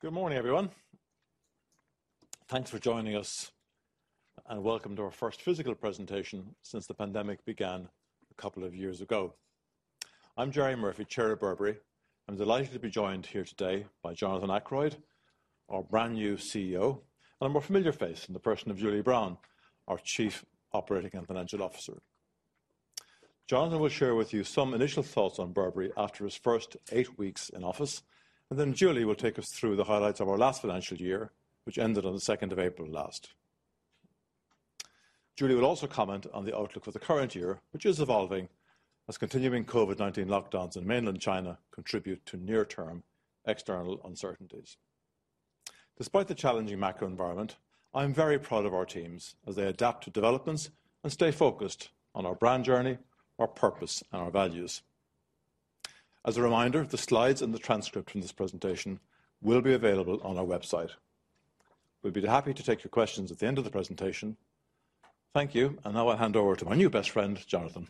Good morning, everyone. Thanks for joining us, and welcome to our first physical presentation since the pandemic began a couple of years ago. I'm Gerry Murphy, Chair of Burberry, and I'm delighted to be joined here today by Jonathan Akeroyd, our brand new CEO, and a more familiar face in the person of Julie Brown, our Chief Operating and Financial Officer. Jonathan will share with you some initial thoughts on Burberry after his first eight weeks in office, and then Julie will take us through the highlights of our last financial year, which ended on the second of April last. Julie will also comment on the outlook for the current year, which is evolving as continuing COVID-19 lockdowns in mainland China contribute to near-term external uncertainties. Despite the challenging macro environment, I am very proud of our teams as they adapt to developments and stay focused on our brand journey, our purpose, and our values. As a reminder, the slides and the transcript from this presentation will be available on our website. We'll be happy to take your questions at the end of the presentation. Thank you, and now I hand over to my new best friend, Jonathan.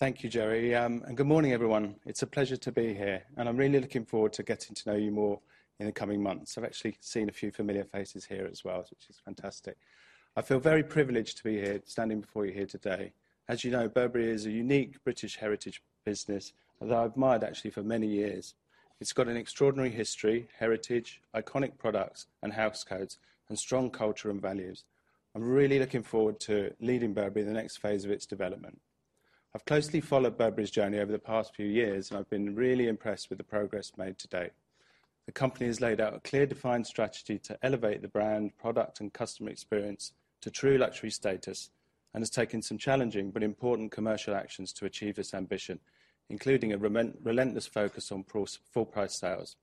Thank you, Gerry. Good morning, everyone. It's a pleasure to be here, and I'm really looking forward to getting to know you more in the coming months. I've actually seen a few familiar faces here as well, which is fantastic. I feel very privileged to be here, standing before you here today. As you know, Burberry is a unique British heritage business that I admired actually for many years. It's got an extraordinary history, heritage, iconic products, and house codes, and strong culture and values. I'm really looking forward to leading Burberry in the next phase of its development. I've closely followed Burberry's journey over the past few years, and I've been really impressed with the progress made to date. The company has laid out a clearly defined strategy to elevate the brand, product, and customer experience to true luxury status, and has taken some challenging but important commercial actions to achieve this ambition, including a relentless focus on full price sales.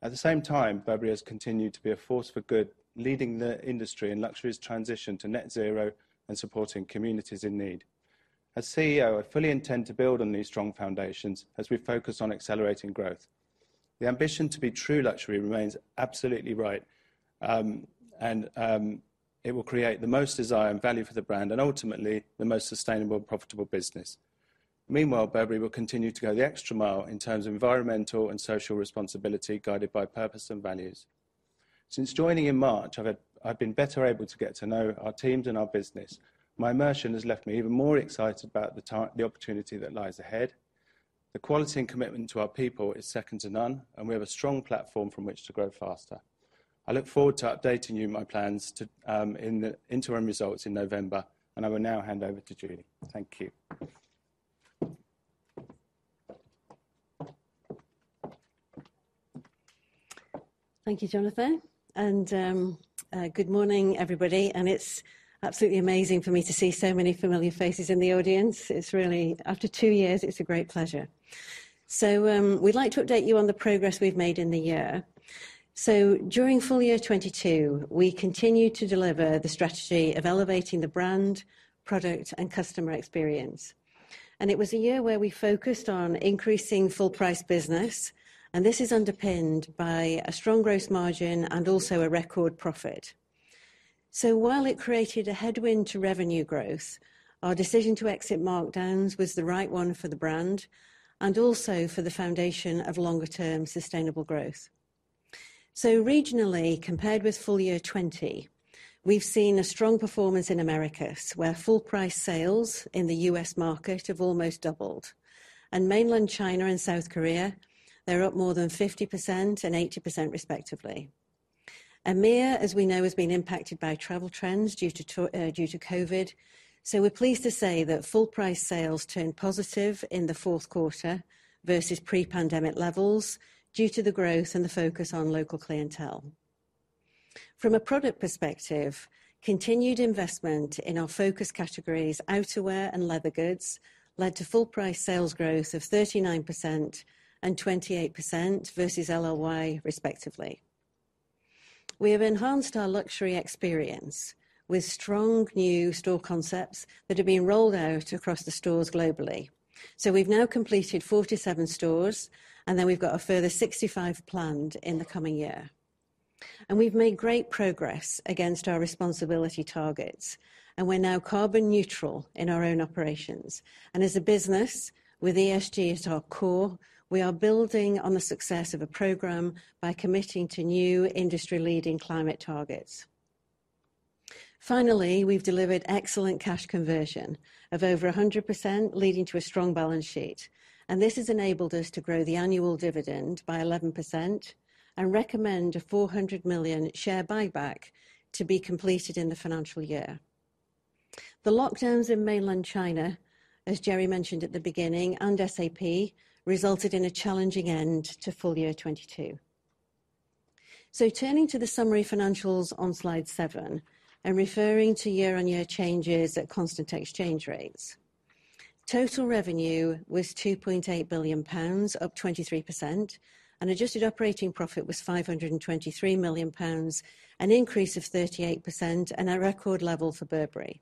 At the same time, Burberry has continued to be a force for good, leading the industry in luxury's transition to net zero and supporting communities in need. As CEO, I fully intend to build on these strong foundations as we focus on accelerating growth. The ambition to be true luxury remains absolutely right, and it will create the most desire and value for the brand and ultimately the most sustainable and profitable business. Meanwhile, Burberry will continue to go the extra mile in terms of environmental and social responsibility, guided by purpose and values. Since joining in March, I've been better able to get to know our teams and our business. My immersion has left me even more excited about the opportunity that lies ahead. The quality and commitment to our people is second to none, and we have a strong platform from which to grow faster. I look forward to updating you on my plans to in the interim results in November, and I will now hand over to Julie. Thank you. Thank you, Jonathan. Good morning, everybody, and it's absolutely amazing for me to see so many familiar faces in the audience. It's really, after two years, it's a great pleasure. We'd like to update you on the progress we've made in the year. During full year 2022, we continued to deliver the strategy of elevating the brand, product, and customer experience. It was a year where we focused on increasing full price business, and this is underpinned by a strong gross margin and also a record profit. While it created a headwind to revenue growth, our decision to exit markdowns was the right one for the brand, and also for the foundation of longer term sustainable growth. Regionally, compared with full year 2020, we've seen a strong performance in Americas, where full price sales in the U.S. market have almost doubled. Mainland China and South Korea, they're up more than 50% and 80% respectively. EMEIA, as we know, has been impacted by travel trends due to COVID, so we're pleased to say that full price sales turned positive in the fourth quarter versus pre-pandemic levels due to the growth and the focus on local clientele. From a product perspective, continued investment in our focus categories, outerwear and leather goods, led to full price sales growth of 39% and 28% versus LLY respectively. We have enhanced our luxury experience with strong new store concepts that have been rolled out across the stores globally. We've now completed 47 stores, and then we've got a further 65 planned in the coming year. We've made great progress against our responsibility targets, and we're now carbon neutral in our own operations. As a business with ESG at our core, we are building on the success of a program by committing to new industry-leading climate targets. Finally, we've delivered excellent cash conversion of over 100%, leading to a strong balance sheet. This has enabled us to grow the annual dividend by 11% and recommend a 400 million share buyback to be completed in the financial year. The lockdowns in mainland China, as Gerry mentioned at the beginning, and SAP, resulted in a challenging end to full year 2022. Turning to the summary financials on slide seven and referring to year-on-year changes at constant exchange rates. Total revenue was 2.8 billion pounds, up 23%, and adjusted operating profit was 523 million pounds, an increase of 38% and a record level for Burberry.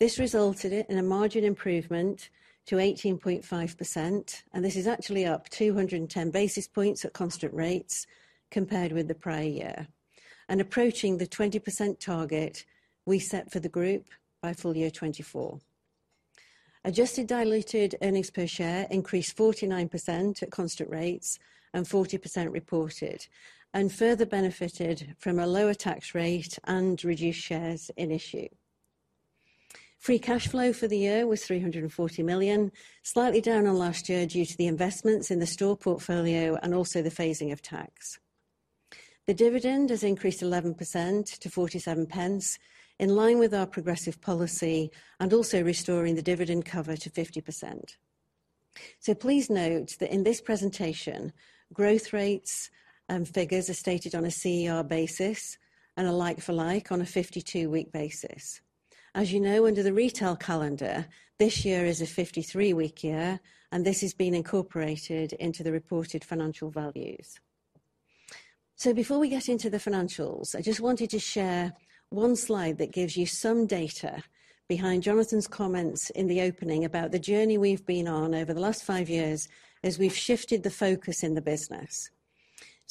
This resulted in a margin improvement to 18.5%, and this is actually up 210 basis points at constant rates compared with the prior year, and approaching the 20% target we set for the group by full year 2024. Adjusted diluted earnings per share increased 49% at constant rates and 40% reported and further benefited from a lower tax rate and reduced shares in issue. Free cash flow for the year was 340 million, slightly down on last year due to the investments in the store portfolio and also the phasing of tax. The dividend has increased 11% to 0.47, in line with our progressive policy and also restoring the dividend cover to 50%. Please note that in this presentation, growth rates and figures are stated on a CER basis and are like-for-like on a 52-week basis. As you know, under the retail calendar, this year is a 53-week year, and this has been incorporated into the reported financial values. Before we get into the financials, I just wanted to share one slide that gives you some data behind Jonathan's comments in the opening about the journey we've been on over the last five years as we've shifted the focus in the business.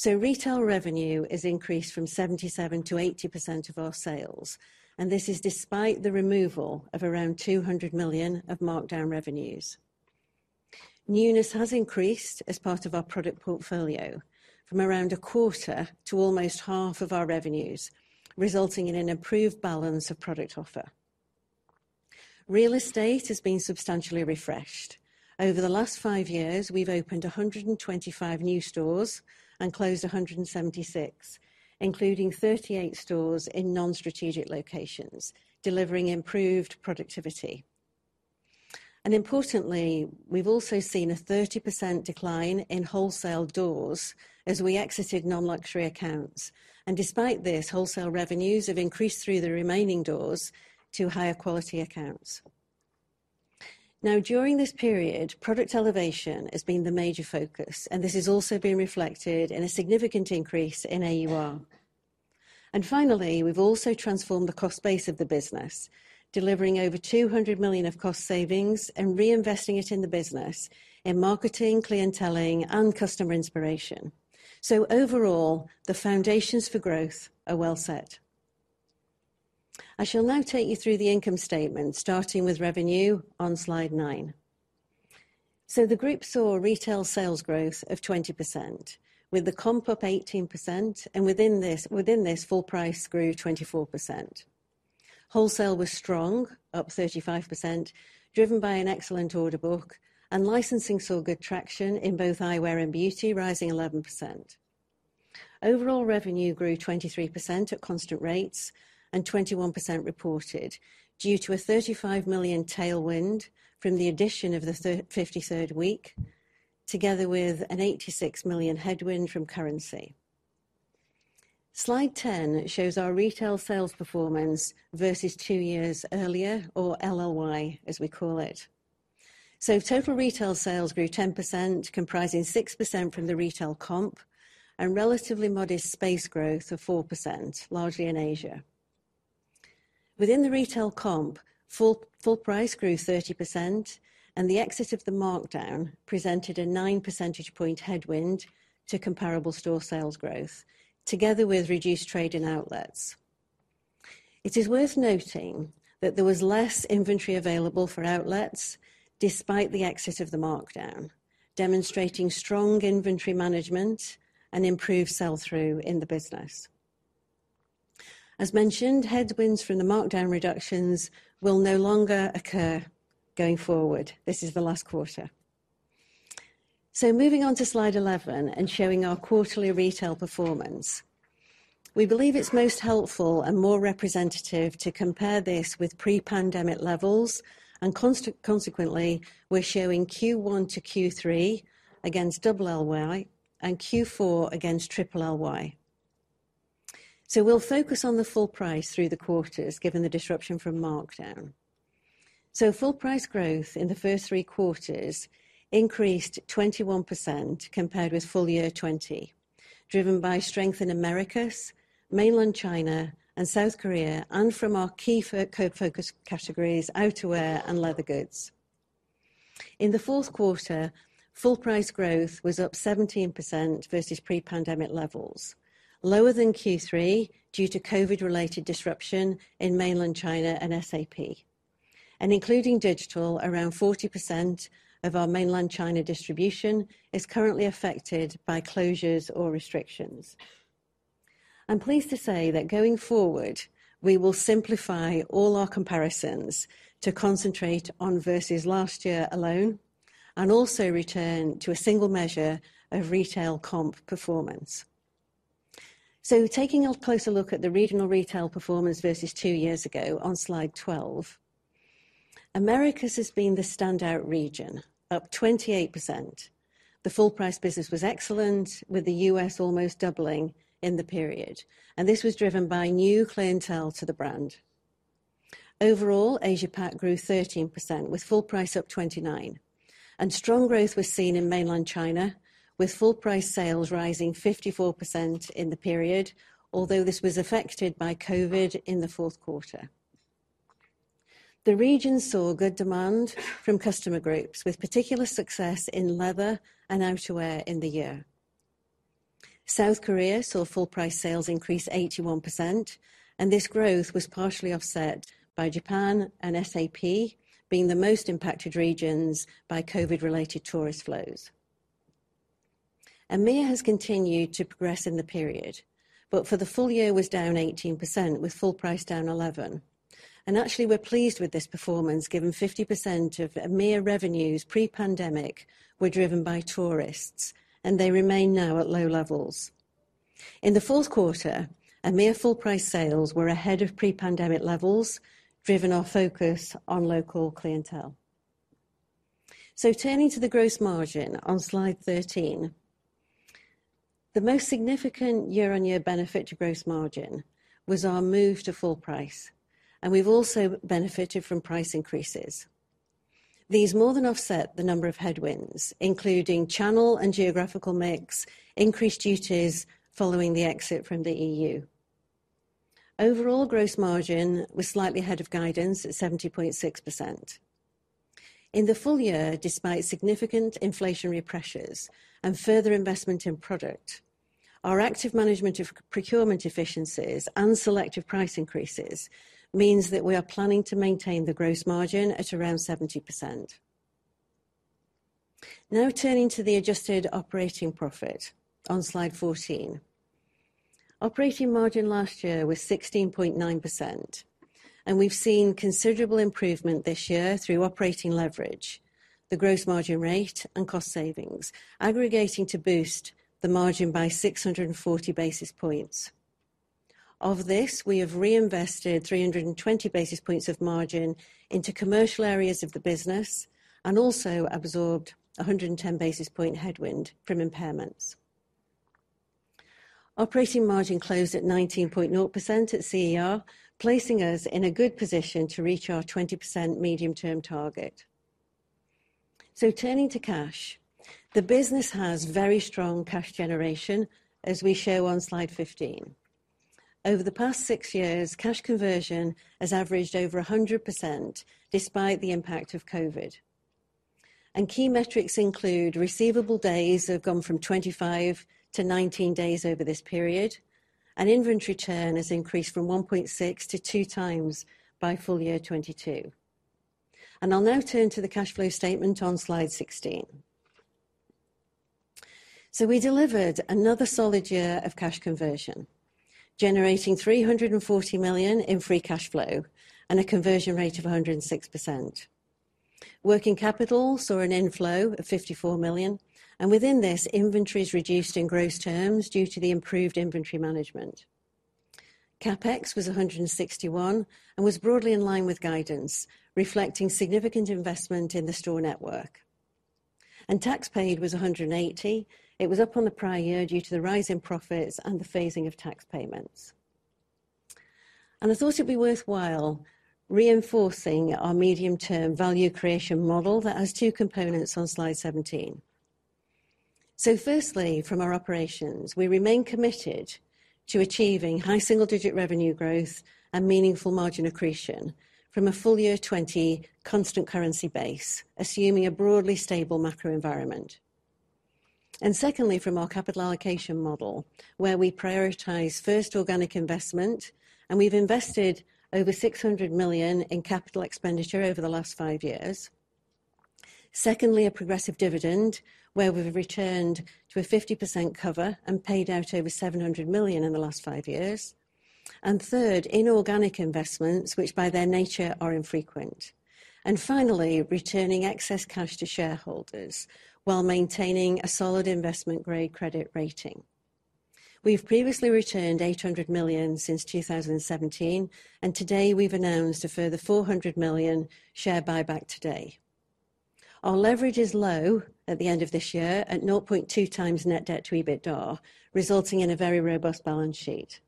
Retail revenue is increased from 77%-80% of our sales, and this is despite the removal of around 200 million of markdown revenues. Newness has increased as part of our product portfolio from around a quarter to almost half of our revenues, resulting in an improved balance of product offer. Real estate has been substantially refreshed. Over the last five years, we've opened 125 new stores and closed 176, including 38 stores in non-strategic locations, delivering improved productivity. Importantly, we've also seen a 30% decline in wholesale doors as we exited non-luxury accounts. Despite this, wholesale revenues have increased through the remaining doors to higher quality accounts. Now, during this period, product elevation has been the major focus, and this has also been reflected in a significant increase in AUR. Finally, we've also transformed the cost base of the business, delivering over 200 million of cost savings and reinvesting it in the business in marketing, clienteling, and customer inspiration. Overall, the foundations for growth are well set. I shall now take you through the income statement, starting with revenue on slide nine. The group saw retail sales growth of 20%, with the comp up 18% and within this, full price grew 24%. Wholesale was strong, up 35%, driven by an excellent order book, and licensing saw good traction in both eyewear and beauty, rising 11%. Overall revenue grew 23% at constant rates and 21% reported due to a 35 million tailwind from the addition of the 53rd week, together with a 86 million headwind from currency. Slide 10 shows our retail sales performance versus two years earlier or LLY, as we call it. Total retail sales grew 10%, comprising 6% from the retail comp and relatively modest space growth of 4%, largely in Asia. Within the retail comp, full price grew 30% and the exit of the markdown presented a nine percentage point headwind to comparable store sales growth together with reduced trade in outlets. It is worth noting that there was less inventory available for outlets despite the exit of the markdown, demonstrating strong inventory management and improved sell-through in the business. As mentioned, headwinds from the markdown reductions will no longer occur going forward. This is the last quarter. Moving on to slide 11 and showing our quarterly retail performance. We believe it's most helpful and more representative to compare this with pre-pandemic levels, and consequently, we're showing Q1 to Q3 against double LLY and Q4 against triple LLY. We'll focus on the full price through the quarters, given the disruption from markdown. Full price growth in the first three quarters increased 21% compared with full year 2020, driven by strength in Americas, Mainland China, and South Korea and from our key focus categories, outerwear and leather goods. In the fourth quarter, full price growth was up 17% versus pre-pandemic levels, lower than Q3 due to COVID-related disruption in Mainland China and SAP. Including digital, around 40% of our Mainland China distribution is currently affected by closures or restrictions. I'm pleased to say that going forward, we will simplify all our comparisons to concentrate on versus last year alone and also return to a single measure of retail comp performance. Taking a closer look at the regional retail performance versus two years ago on slide 12. Americas has been the standout region, up 28%. The full-price business was excellent, with the U.S. almost doubling in the period. This was driven by new clientele to the brand. Overall, Asia Pac grew 13%, with full price up 29%. Strong growth was seen in Mainland China, with full price sales rising 54% in the period, although this was affected by COVID in the fourth quarter. The region saw good demand from customer groups with particular success in leather and outerwear in the year. South Korea saw full price sales increase 81%, and this growth was partially offset by Japan and SAP being the most impacted regions by COVID-related tourist flows. EMEIA has continued to progress in the period, but for the full year was down 18% with full price down 11%. Actually, we're pleased with this performance, given 50% of EMEIA revenues pre-pandemic were driven by tourists, and they remain now at low levels. In the fourth quarter, EMEIA full price sales were ahead of pre-pandemic levels, driven by our focus on local clientele. Turning to the gross margin on slide 13. The most significant year-on-year benefit to gross margin was our move to full price, and we've also benefited from price increases. These more than offset a number of headwinds, including channel and geographical mix, increased duties following the exit from the EU. Overall gross margin was slightly ahead of guidance at 70.6%. In the full year, despite significant inflationary pressures and further investment in product, our active management of procurement efficiencies and selective price increases means that we are planning to maintain the gross margin at around 70%. Now turning to the adjusted operating profit on slide 14. Operating margin last year was 16.9%, and we've seen considerable improvement this year through operating leverage, the gross margin rate, and cost savings aggregating to boost the margin by 640 basis points. Of this, we have reinvested 320 basis points of margin into commercial areas of the business and also absorbed a 110 basis point headwind from impairments. Operating margin closed at 19.0% at CER, placing us in a good position to reach our 20% medium-term target. Turning to cash. The business has very strong cash generation, as we show on slide 15. Over the past six years, cash conversion has averaged over 100% despite the impact of COVID. Key metrics include receivable days have gone from 25 to 19 days over this period, and inventory turn has increased from 1.6x-2x by full year 2022. I'll now turn to the cash flow statement on slide 16. We delivered another solid year of cash conversion, generating 340 million in free cash flow and a conversion rate of 106%. Working capital saw an inflow of 54 million, and within this, inventories reduced in gross terms due to the improved inventory management. CapEx was 161 million and was broadly in line with guidance, reflecting significant investment in the store network. Tax paid was 180 million. It was up on the prior year due to the rise in profits and the phasing of tax payments. I thought it'd be worthwhile reinforcing our medium-term value creation model that has two components on slide 17. Firstly, from our operations, we remain committed to achieving high single-digit revenue growth and meaningful margin accretion from a full year 20 constant currency base, assuming a broadly stable macro environment. Secondly, from our capital allocation model, where we prioritize first organic investment, and we've invested over 600 million in capital expenditure over the last five years. Secondly, a progressive dividend where we've returned to a 50% cover and paid out over 700 million in the last five years. Third, inorganic investments, which by their nature are infrequent. Finally, returning excess cash to shareholders while maintaining a solid investment-grade credit rating. We've previously returned 800 million since 2017, and today we've announced a further 400 million share buyback today. Our leverage is low at the end of this year at 0.2x net debt to EBITDA, resulting in a very robust balance sheet.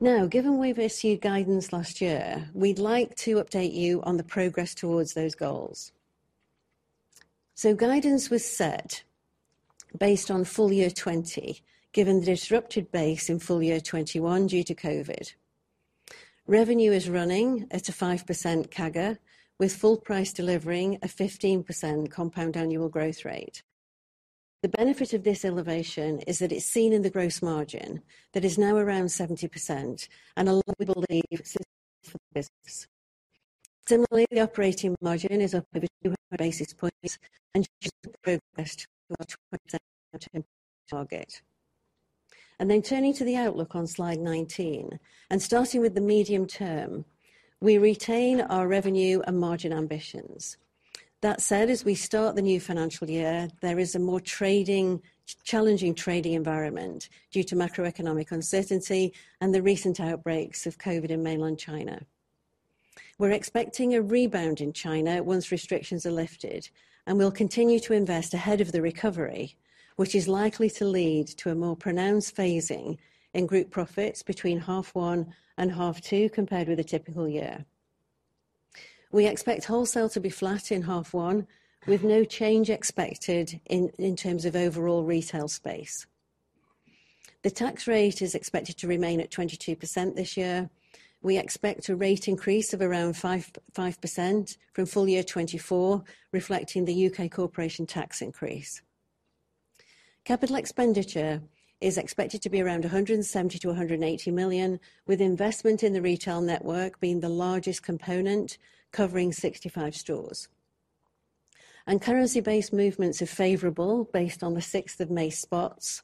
Now, given we've issued guidance last year, we'd like to update you on the progress towards those goals. Guidance was set based on full year 2020, given the disrupted base in full year 2021 due to COVID. Revenue is running at a 5% CAGR, with full price delivering a 15% compound annual growth rate. The benefit of this elevation is that it's seen in the gross margin that is now around 70% and a level we believe is sustainable for the business. Similarly, the operating margin is up over 200 basis points and shows good progress to our 20% medium-term target. Turning to the outlook on slide 19 and starting with the medium term, we retain our revenue and margin ambitions. That said, as we start the new financial year, there is a more challenging trading environment due to macroeconomic uncertainty and the recent outbreaks of COVID in mainland China. We're expecting a rebound in China once restrictions are lifted, and we'll continue to invest ahead of the recovery, which is likely to lead to a more pronounced phasing in group profits between half one and half two, compared with a typical year. We expect wholesale to be flat in half one, with no change expected in terms of overall retail space. The tax rate is expected to remain at 22% this year. We expect a rate increase of around 5% from full year 2024, reflecting the U.K. corporation tax increase. Capital expenditure is expected to be around 170 million-180 million, with investment in the retail network being the largest component, covering 65 stores. Currency-based movements are favorable based on the sixth of May spots,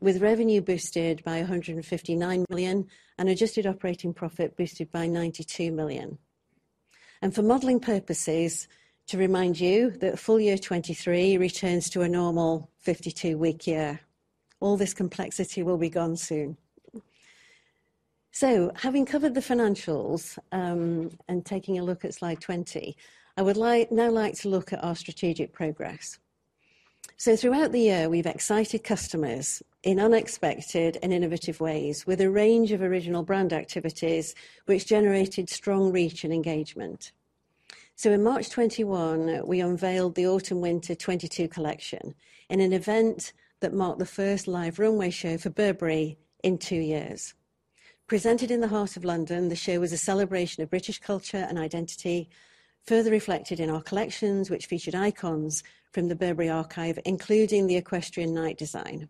with revenue boosted by 159 million and adjusted operating profit boosted by 92 million. For modeling purposes, to remind you that full year 2023 returns to a normal 52-week year. All this complexity will be gone soon. Having covered the financials, and taking a look at slide 20, I would like now to look at our strategic progress. Throughout the year, we've excited customers in unexpected and innovative ways with a range of original brand activities which generated strong reach and engagement. In March 2021, we unveiled the Autumn/Winter 2022 collection in an event that marked the first live runway show for Burberry in two years. Presented in the heart of London, the show was a celebration of British culture and identity, further reflected in our collections, which featured icons from the Burberry archive, including the Equestrian Knight Design.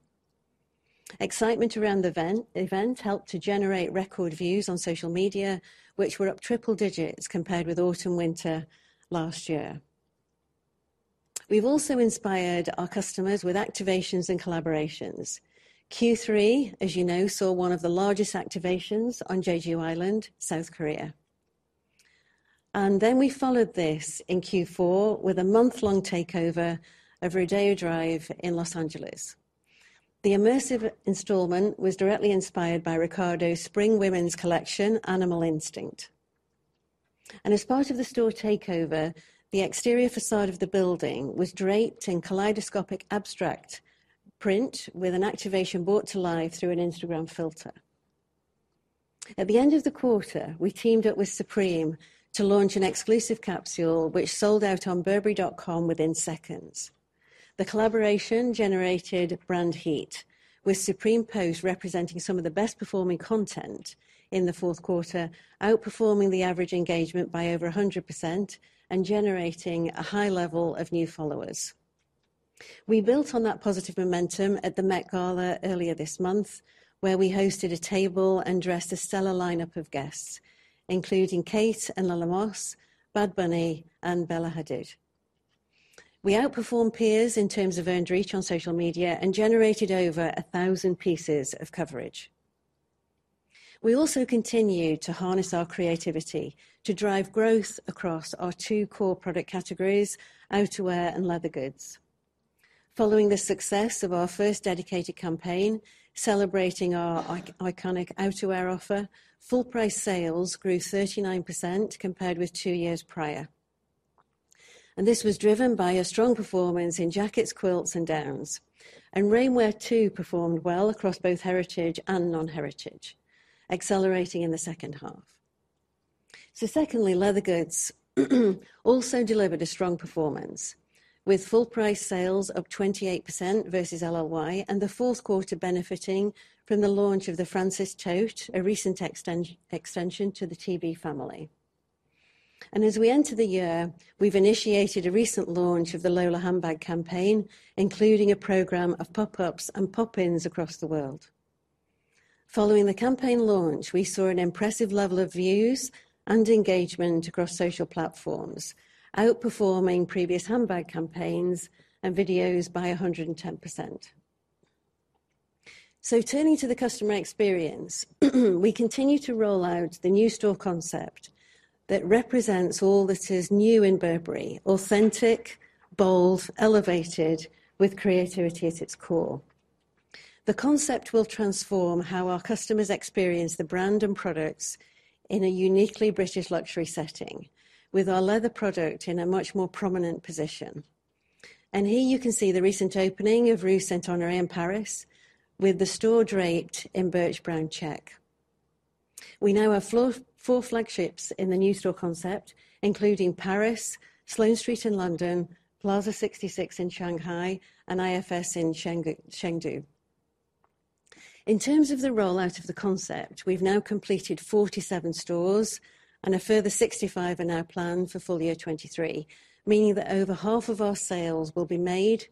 Excitement around the event helped to generate record views on social media, which were up triple digits compared with autumn/winter last year. We've also inspired our customers with activations and collaborations. Q3, as you know, saw one of the largest activations on Jeju Island, South Korea. We followed this in Q4 with a month-long takeover of Rodeo Drive in Los Angeles. The immersive installment was directly inspired by Riccardo's spring women's collection, Animal Instinct. As part of the store takeover, the exterior facade of the building was draped in kaleidoscopic abstract print with an activation brought to life through an Instagram filter. At the end of the quarter, we teamed up with Supreme to launch an exclusive capsule which sold out on burberry.com within seconds. The collaboration generated brand heat, with Supreme posts representing some of the best-performing content in the fourth quarter, outperforming the average engagement by over 100% and generating a high level of new followers. We built on that positive momentum at the Met Gala earlier this month, where we hosted a table and dressed a stellar lineup of guests, including Kate and Lila Moss, Bad Bunny, and Bella Hadid. We outperformed peers in terms of earned reach on social media and generated over 1,000 pieces of coverage. We also continue to harness our creativity to drive growth across our two core product categories, outerwear and leather goods. Following the success of our first dedicated campaign celebrating our iconic outerwear offer, full price sales grew 39% compared with two years prior. This was driven by a strong performance in jackets, quilts, and downs. Rainwear, too, performed well across both heritage and non-heritage, accelerating in the second half. Secondly, leather goods also delivered a strong performance, with full price sales up 28% versus LLY and the fourth quarter benefiting from the launch of the Frances Tote, a recent extension to the TB family. As we enter the year, we've initiated a recent launch of the Lola handbag campaign, including a program of pop-ups and pop-ins across the world. Following the campaign launch, we saw an impressive level of views and engagement across social platforms, outperforming previous handbag campaigns and videos by 110%. Turning to the customer experience, we continue to roll out the new store concept that represents all that is new in Burberry, authentic, bold, elevated with creativity at its core. The concept will transform how our customers experience the brand and products in a uniquely British luxury setting with our leather product in a much more prominent position. Here you can see the recent opening of Rue Saint-Honoré in Paris with the store draped in Burberry check. We now have four flagships in the new store concept, including Paris, Sloane Street in London, Plaza 66 in Shanghai, and IFS in Shanghai. In terms of the rollout of the concept, we've now completed 47 stores and a further 65 are now planned for full year 2023, meaning that over half of our sales will be made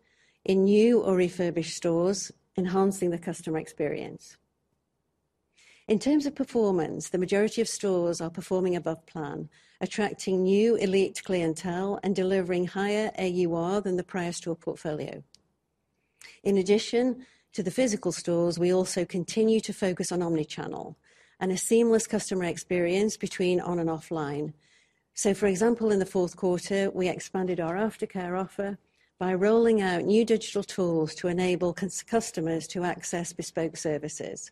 in new or refurbished stores, enhancing the customer experience. In terms of performance, the majority of stores are performing above plan, attracting new elite clientele and delivering higher AUR than the prior store portfolio. In addition to the physical stores, we also continue to focus on omnichannel and a seamless customer experience between on and offline. For example, in the fourth quarter, we expanded our aftercare offer by rolling out new digital tools to enable customers to access bespoke services.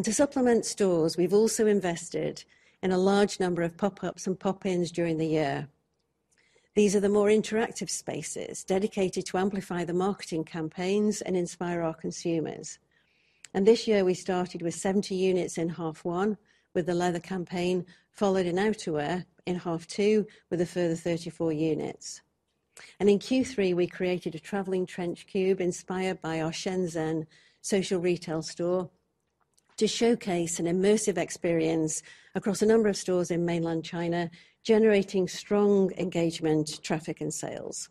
To supplement stores, we've also invested in a large number of pop-ups and pop-ins during the year. These are the more interactive spaces dedicated to amplify the marketing campaigns and inspire our consumers. This year we started with 70 units in H1 with the leather campaign, followed in outerwear in H2 with a further 34 units. In Q3, we created a traveling trench cube inspired by our Shenzhen social retail store to showcase an immersive experience across a number of stores in mainland China, generating strong engagement, traffic, and sales.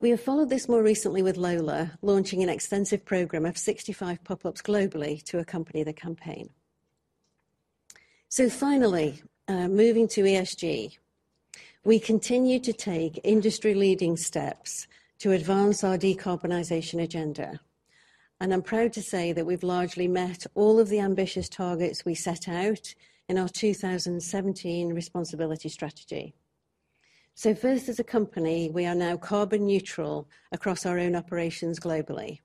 We have followed this more recently with Lola, launching an extensive program of 65 pop-ups globally to accompany the campaign. Finally, moving to ESG, we continue to take industry-leading steps to advance our decarbonization agenda. I'm proud to say that we've largely met all of the ambitious targets we set out in our 2017 responsibility strategy. First, as a company, we are now carbon neutral across our own operations globally,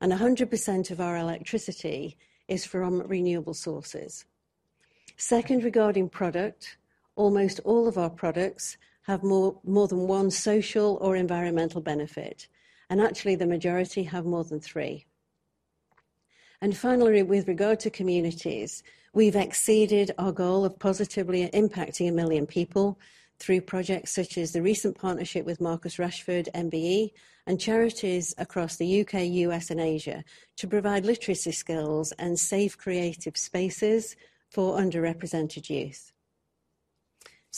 and 100% of our electricity is from renewable sources. Second, regarding product, almost all of our products have more than one social or environmental benefit, and actually, the majority have more than three. Finally, with regard to communities, we've exceeded our goal of positively impacting a million people through projects such as the recent partnership with Marcus Rashford MBE and charities across the U.K., U.S., and Asia to provide literacy skills and safe creative spaces for underrepresented youth.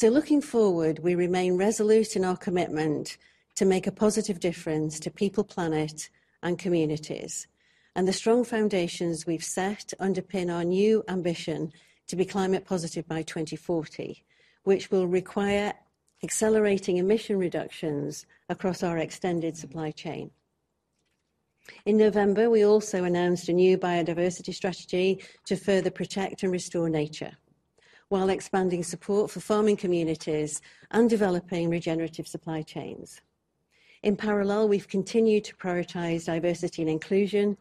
Looking forward, we remain resolute in our commitment to make a positive difference to people, planet, and communities. The strong foundations we've set underpin our new ambition to be climate positive by 2040, which will require accelerating emission reductions across our extended supply chain. In November, we also announced a new biodiversity strategy to further protect and restore nature while expanding support for farming communities and developing regenerative supply chains. In parallel, we've continued to prioritize diversity and inclusion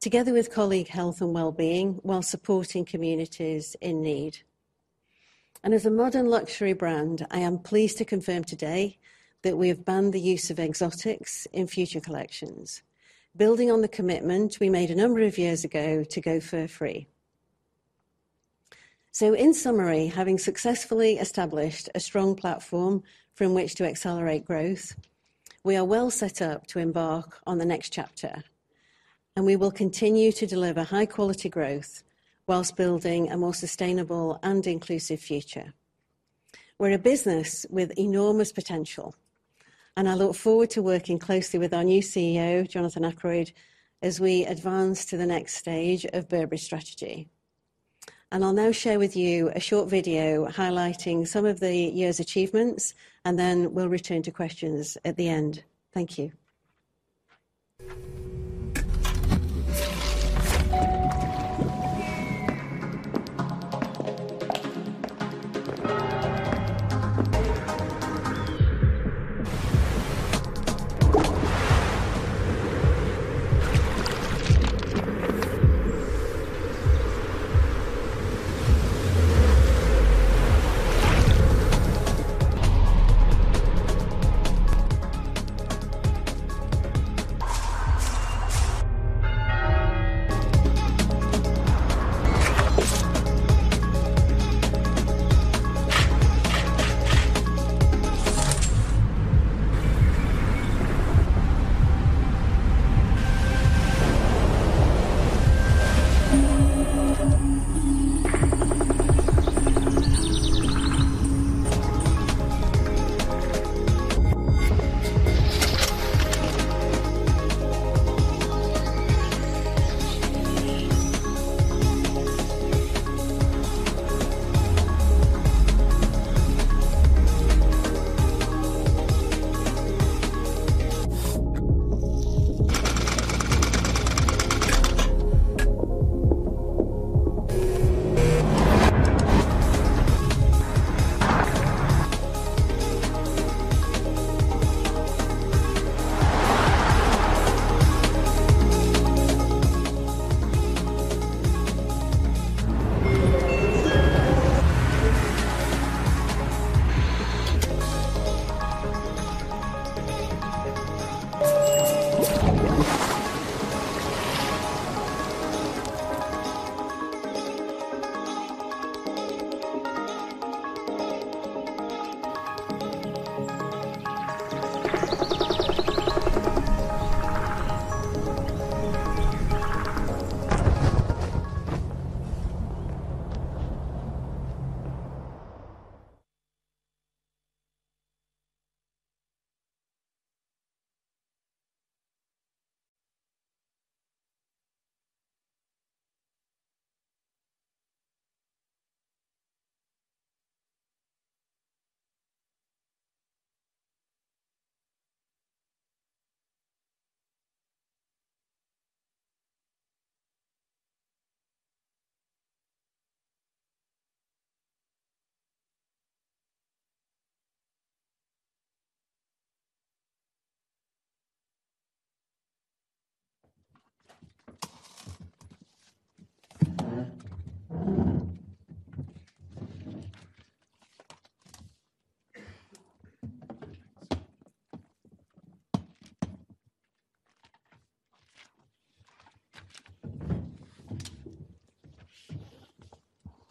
together with colleague health and well-being while supporting communities in need. As a modern luxury brand, I am pleased to confirm today that we have banned the use of exotics in future collections, building on the commitment we made a number of years ago to go fur free. In summary, having successfully established a strong platform from which to accelerate growth, we are well set up to embark on the next chapter, and we will continue to deliver high-quality growth while building a more sustainable and inclusive future. We're a business with enormous potential, and I look forward to working closely with our new CEO, Jonathan Akeroyd, as we advance to the next stage of Burberry's strategy. I'll now share with you a short video highlighting some of the year's achievements, and then we'll return to questions at the end. Thank you.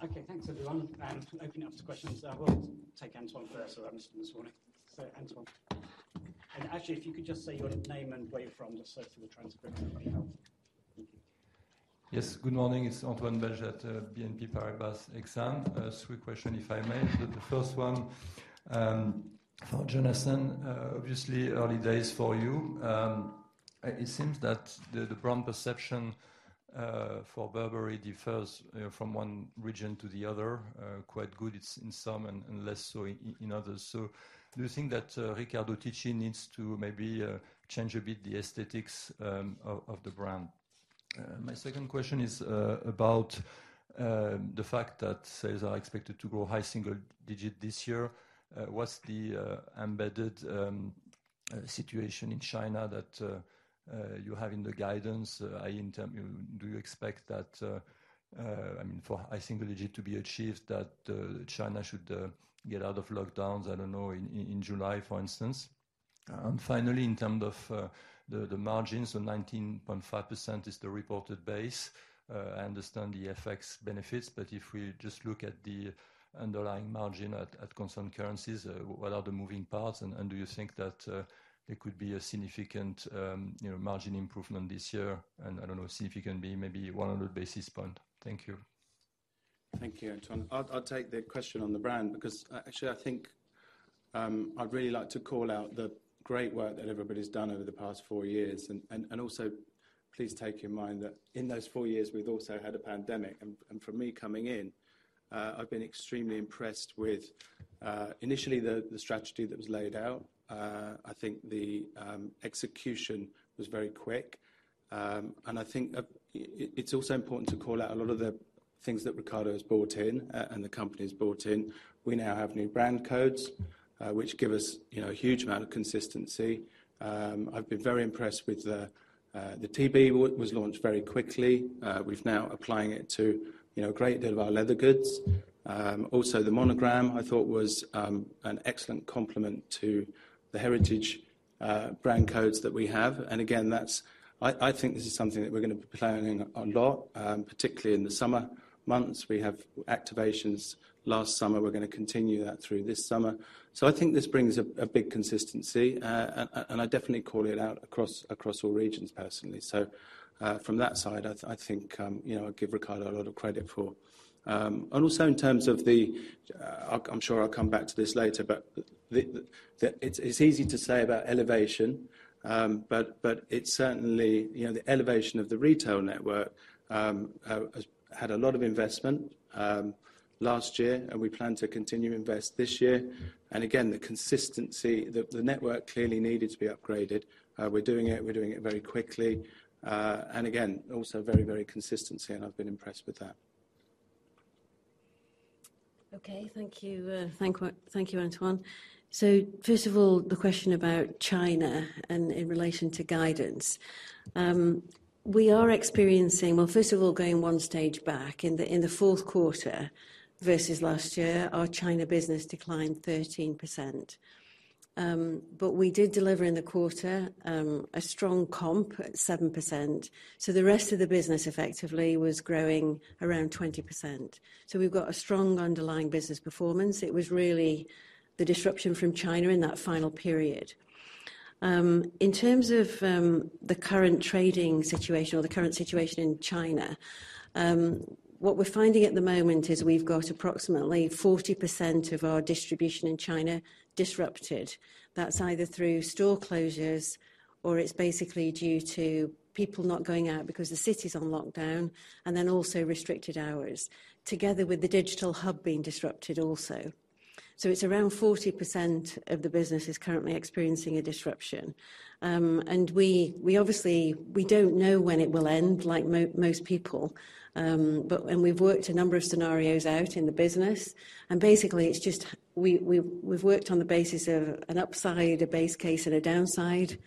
Okay, thanks everyone. Opening up to questions. We'll take Antoine first who we haven't seen this morning. Antoine. Actually, if you could just say your name and where you're from, just so for the transcript. That'd be helpful. Thank you. Yes, good morning. It's Antoine Belge at BNP Paribas Exane. Three questions if I may. The first one for Jonathan. Obviously early days for you. It seems that the brand perception for Burberry differs from one region to the other. Quite good it's in some and less so in others. Do you think that Riccardo Tisci needs to maybe change a bit the aesthetics of the brand? My second question is about the fact that sales are expected to grow high single digit this year. What's the embedded situation in China that you have in the guidance? Do you expect that, I mean, for high single digit to be achieved, that China should get out of lockdowns, I don't know, in July, for instance? Finally, in terms of the margins, so 19.5% is the reported base. I understand the FX benefits, but if we just look at the underlying margin at constant currencies, what are the moving parts? Do you think that there could be a significant, you know, margin improvement this year? I don't know, see if you can be maybe 100 basis point. Thank you. Thank you, Antoine. I'll take the question on the brand because actually, I think I'd really like to call out the great work that everybody's done over the past four years. Also, please bear in mind that in those four years, we've also had a pandemic. For me coming in, I've been extremely impressed with initially the strategy that was laid out. I think the execution was very quick. I think it's also important to call out a lot of the things that Riccardo has brought in and the company's brought in. We now have new brand codes, which give us, you know, a huge amount of consistency. I've been very impressed with the TB that was launched very quickly. We've now applying it to, you know, a great deal of our leather goods. Also the monogram, I thought, was an excellent complement to the heritage brand codes that we have. Again, that's. I think this is something that we're gonna be planning a lot, particularly in the summer months. We have activations last summer. We're gonna continue that through this summer. I think this brings a big consistency. And I definitely call it out across all regions personally. From that side, I think, you know, I give Riccardo a lot of credit for. I'm sure I'll come back to this later. It's easy to say about elevation, but it's certainly, you know, the elevation of the retail network has had a lot of investment last year, and we plan to continue to invest this year. The consistency, the network clearly needed to be upgraded. We're doing it. We're doing it very quickly. Again, also very consistently, and I've been impressed with that. Okay. Thank you, Antoine. First of all, the question about China and in relation to guidance. Well, first of all, going one stage back, in the fourth quarter versus last year, our China business declined 13%. We did deliver in the quarter a strong comp at 7%. The rest of the business effectively was growing around 20%. We've got a strong underlying business performance. It was really the disruption from China in that final period. In terms of the current trading situation or the current situation in China, what we're finding at the moment is we've got approximately 40% of our distribution in China disrupted. That's either through store closures, or it's basically due to people not going out because the city's on lockdown, and then also restricted hours. Together with the digital hub being disrupted also. It's around 40% of the business is currently experiencing a disruption. We obviously don't know when it will end like most people. We've worked a number of scenarios out in the business, and basically, it's just we've worked on the basis of an upside, a base case, and a downside.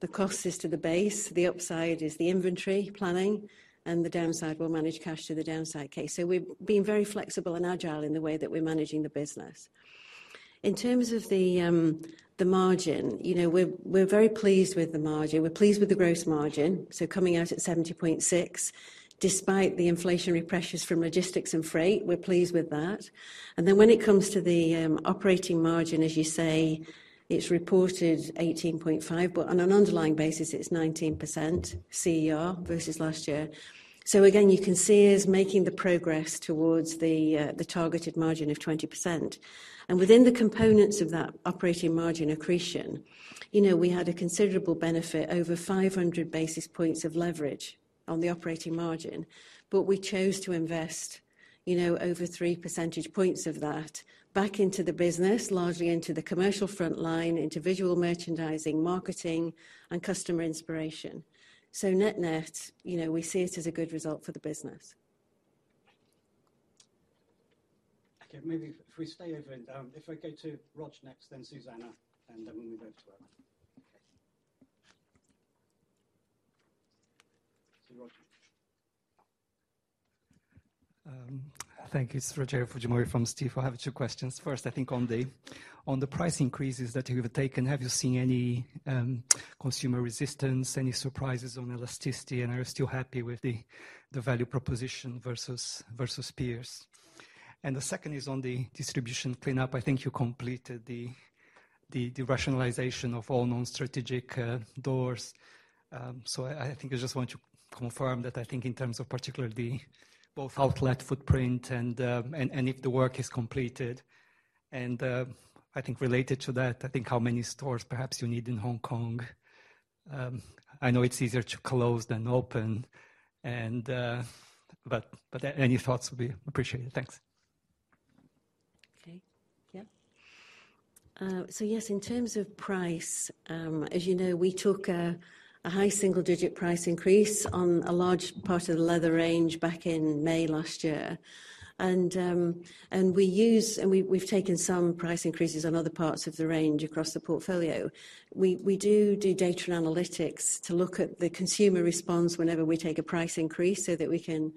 The cost is to the base, the upside is the inventory planning, and the downside, we'll manage cash to the downside case. We're being very flexible and agile in the way that we're managing the business. In terms of the margin, you know, we're very pleased with the margin. We're pleased with the gross margin, so coming out at 70.6%, despite the inflationary pressures from logistics and freight, we're pleased with that. When it comes to the operating margin, as you say, it's reported 18.5%, but on an underlying basis, it's 19% CER versus last year. Again, you can see us making the progress towards the targeted margin of 20%. Within the components of that operating margin accretion, you know, we had a considerable benefit over 500 basis points of leverage on the operating margin. We chose to invest, you know, over three percentage points of that back into the business, largely into the commercial front line, into visual merchandising, marketing, and customer inspiration. Net net, you know, we see it as a good result for the business. Okay. If I go to Rog next, then Zuzanna, and then we move over to Emma. Okay. Rog. Thank you. It's Rogerio Fujimori from Stifel. I have two questions. First, I think on the On the price increases that you have taken, have you seen any consumer resistance, any surprises on elasticity, and are you still happy with the value proposition versus peers? The second is on the distribution cleanup. I think you completed the rationalization of all non-strategic doors. I think I just want to confirm that in terms of particularly both outlet footprint and if the work is completed. I think related to that, I think how many stores perhaps you need in Hong Kong. I know it's easier to close than open and any thoughts would be appreciated. Thanks. Okay. Yeah. Yes, in terms of price, as you know, we took a high single-digit price increase on a large part of the leather range back in May last year. We use and we've taken some price increases on other parts of the range across the portfolio. We do data analytics to look at the consumer response whenever we take a price increase so that we can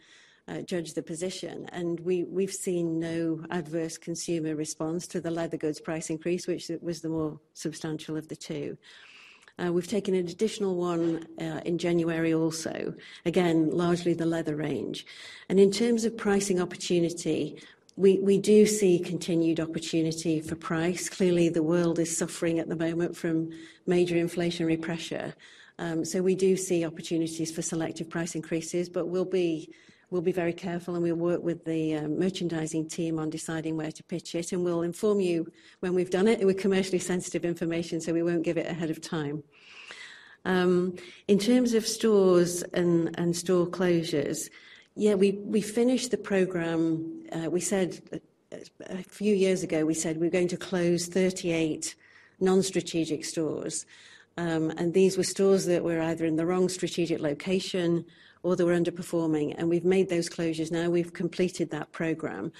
judge the position. We've seen no adverse consumer response to the leather goods price increase, which was the more substantial of the two. We've taken an additional one in January also, again, largely the leather range. In terms of pricing opportunity, we do see continued opportunity for price. Clearly, the world is suffering at the moment from major inflationary pressure. We do see opportunities for selective price increases, but we'll be very careful, and we work with the merchandising team on deciding where to pitch it, and we'll inform you when we've done it. They were commercially sensitive information, so we won't give it ahead of time. In terms of stores and store closures, yeah, we finished the program. A few years ago, we said we're going to close 38 non-strategic stores. These were stores that were either in the wrong strategic location or they were underperforming. We've made those closures. Now we've completed that program.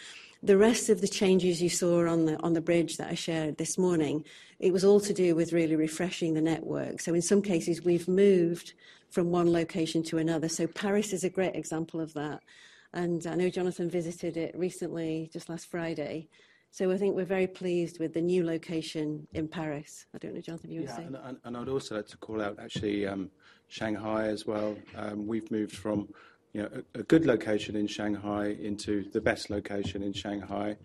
The rest of the changes you saw on the bridge that I shared this morning, it was all to do with really refreshing the network. In some cases, we've moved from one location to another. Paris is a great example of that. I know Jonathan visited it recently, just last Friday. I think we're very pleased with the new location in Paris. I don't know, Jonathan, you were saying. Yeah. I'd also like to call out actually, Shanghai as well. We've moved from, you know, a good location in Shanghai into the best location in Shanghai.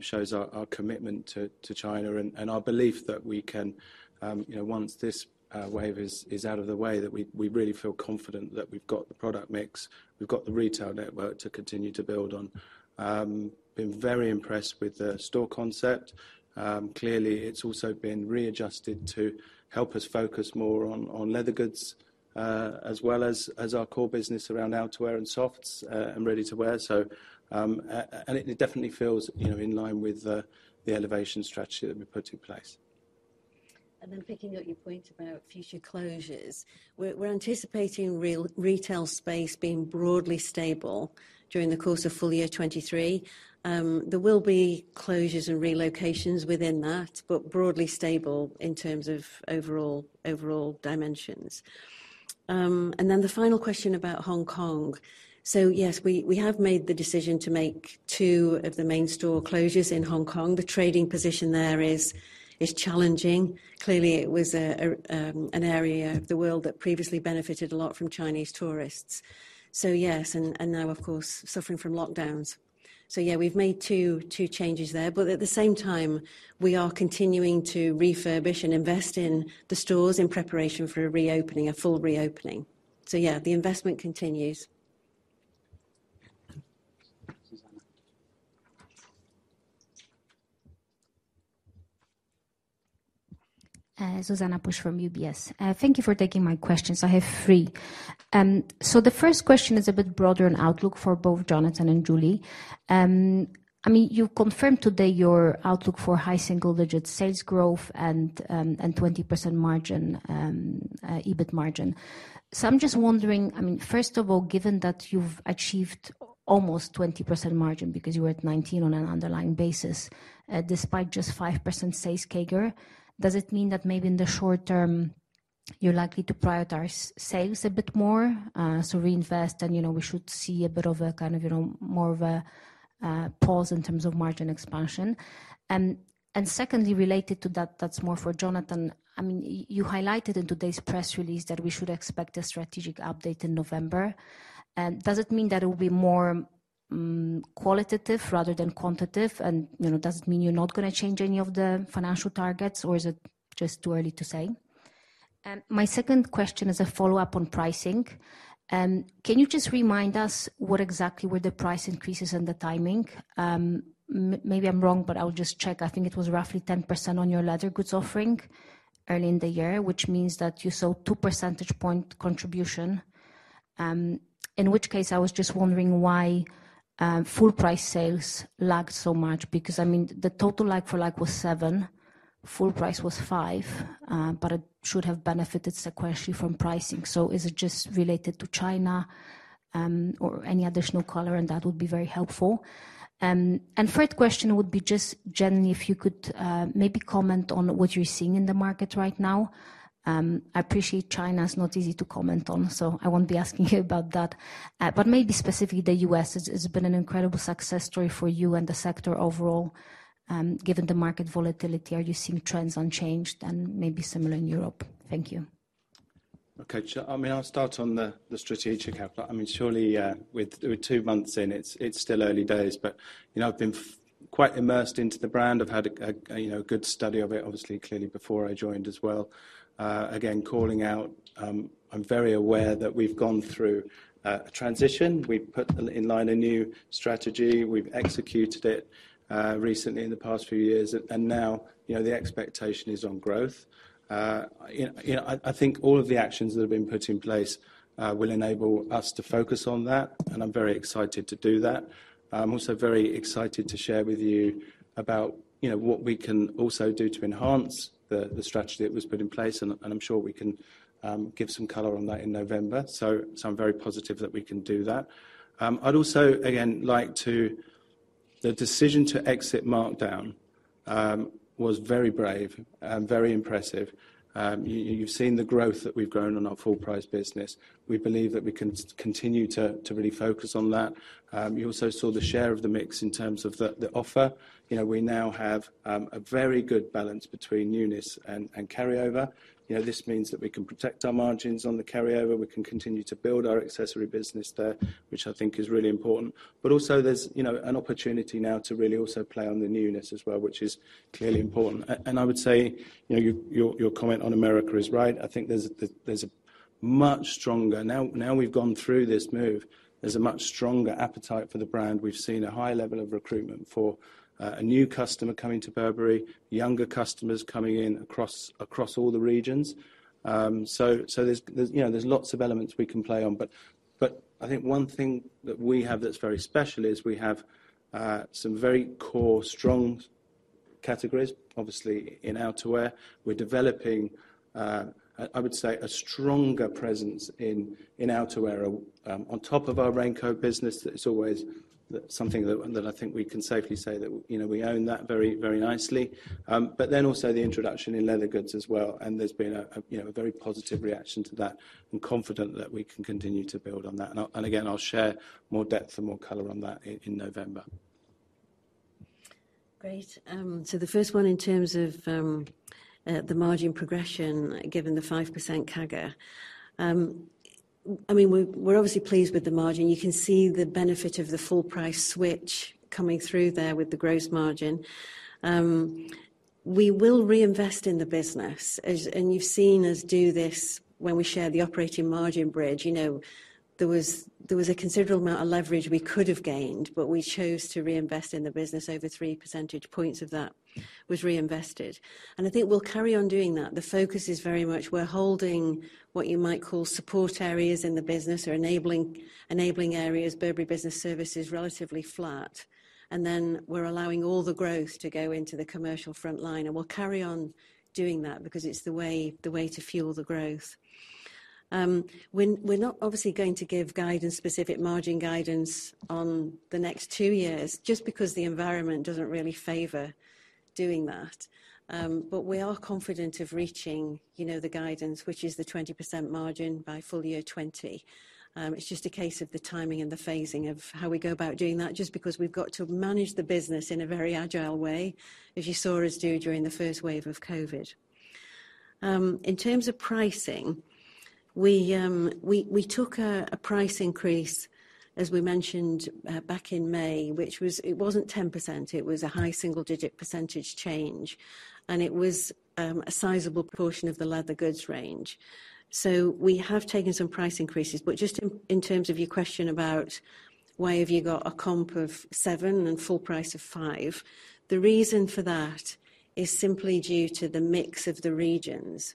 Shows our commitment to China and our belief that we can, you know, once this wave is out of the way, that we really feel confident that we've got the product mix, we've got the retail network to continue to build on. Been very impressed with the store concept. Clearly, it's also been readjusted to help us focus more on leather goods, as well as our core business around outerwear and softs, and ready-to-wear. And it definitely feels, you know, in line with the elevation strategy that we put in place. Picking up your point about future closures, we're anticipating retail space being broadly stable during the course of full year 2023. There will be closures and relocations within that, but broadly stable in terms of overall dimensions. The final question about Hong Kong. Yes, we have made the decision to make two of the main store closures in Hong Kong. The trading position there is challenging. Clearly, it was an area of the world that previously benefited a lot from Chinese tourists, and now, of course, suffering from lockdowns. Yeah, we've made two changes there. But at the same time, we are continuing to refurbish and invest in the stores in preparation for a full reopening. Yeah, the investment continues. Zuzanna Pusz from UBS. Thank you for taking my questions. I have three. The first question is a bit broader in outlook for both Jonathan and Julie. I mean, you confirmed today your outlook for high single-digit sales growth and 20% margin, EBIT margin. I'm just wondering, I mean, first of all, given that you've achieved almost 20% margin because you were at 19% on an underlying basis, despite just 5% sales CAGR, does it mean that maybe in the short term you're likely to prioritize sales a bit more, so reinvest and, you know, we should see a bit of a, kind of, you know, more of a pause in terms of margin expansion? Secondly, related to that's more for Jonathan. I mean, you highlighted in today's press release that we should expect a strategic update in November. Does it mean that it will be more qualitative rather than quantitative? You know, does it mean you're not gonna change any of the financial targets, or is it just too early to say? My second question is a follow-up on pricing. Can you just remind us what exactly were the price increases and the timing? Maybe I'm wrong, but I'll just check. I think it was roughly 10% on your leather goods offering early in the year, which means that you saw two percentage point contribution. In which case, I was just wondering why full price sales lagged so much because, I mean, the total like-for-like was 7%, full price was 5%, but it should have benefited sequentially from pricing. Is it just related to China? Any additional color on that would be very helpful. Third question would be just generally if you could, maybe comment on what you're seeing in the market right now. I appreciate China is not easy to comment on, so I won't be asking you about that. Maybe specifically the U.S. has been an incredible success story for you and the sector overall. Given the market volatility, are you seeing trends unchanged and maybe similar in Europe? Thank you. Okay, sure. I mean, I'll start on the strategic outlook. I mean, surely, with two months in, it's still early days, but, you know, I've been quite immersed in the brand. I've had a, you know, good study of it, obviously, clearly before I joined as well. Again, calling out, I'm very aware that we've gone through a transition. We've put in place a new strategy. We've executed it, recently in the past few years. Now, you know, the expectation is on growth. I think all of the actions that have been put in place will enable us to focus on that, and I'm very excited to do that. I'm also very excited to share with you about, you know, what we can also do to enhance the strategy that was put in place, and I'm sure we can give some color on that in November. I'm very positive that we can do that. I'd also, again, like to. The decision to exit markdown was very brave and very impressive. You've seen the growth that we've grown on our full price business. We believe that we can continue to really focus on that. You also saw the share of the mix in terms of the offer. You know, we now have a very good balance between newness and carryover. You know, this means that we can protect our margins on the carryover. We can continue to build our accessory business there, which I think is really important. Also, there's, you know, an opportunity now to really also play on the newness as well, which is clearly important. I would say, you know, your comment on America is right. I think there's a much stronger appetite for the brand now we've gone through this move. We've seen a high level of recruitment for a new customer coming to Burberry, younger customers coming in across all the regions. There's, you know, lots of elements we can play on. I think one thing that we have that's very special is we have some very core strong categories, obviously, in outerwear. We're developing, I would say, a stronger presence in outerwear on top of our raincoat business. That is always something that I think we can safely say that, you know, we own that very nicely. Also the introduction in leather goods as well, and there's been a, you know, a very positive reaction to that. I'm confident that we can continue to build on that. Again, I'll share more depth and more color on that in November. Great. The first one in terms of, the margin progression, given the 5% CAGR. I mean, we're obviously pleased with the margin. You can see the benefit of the full price switch coming through there with the gross margin. We will reinvest in the business. You've seen us do this when we share the operating margin bridge, you know. There was a considerable amount of leverage we could have gained, but we chose to reinvest in the business. Over three percentage points of that was reinvested. I think we'll carry on doing that. The focus is very much we're holding what you might call support areas in the business or enabling areas. Burberry Business Services is relatively flat. We're allowing all the growth to go into the commercial front line, and we'll carry on doing that because it's the way to fuel the growth. We're not obviously going to give guidance, specific margin guidance on the next two years just because the environment doesn't really favor doing that. We are confident of reaching, you know, the guidance, which is the 20% margin by full year 2020. It's just a case of the timing and the phasing of how we go about doing that, just because we've got to manage the business in a very agile way, as you saw us do during the first wave of COVID. In terms of pricing, we took a price increase, as we mentioned, back in May, which was. It wasn't 10%. It was a high single-digit percentage change, and it was a sizable portion of the leather goods range. We have taken some price increases. Just in terms of your question about why have you got a comp of 7% and full price of 5%, the reason for that is simply due to the mix of the regions.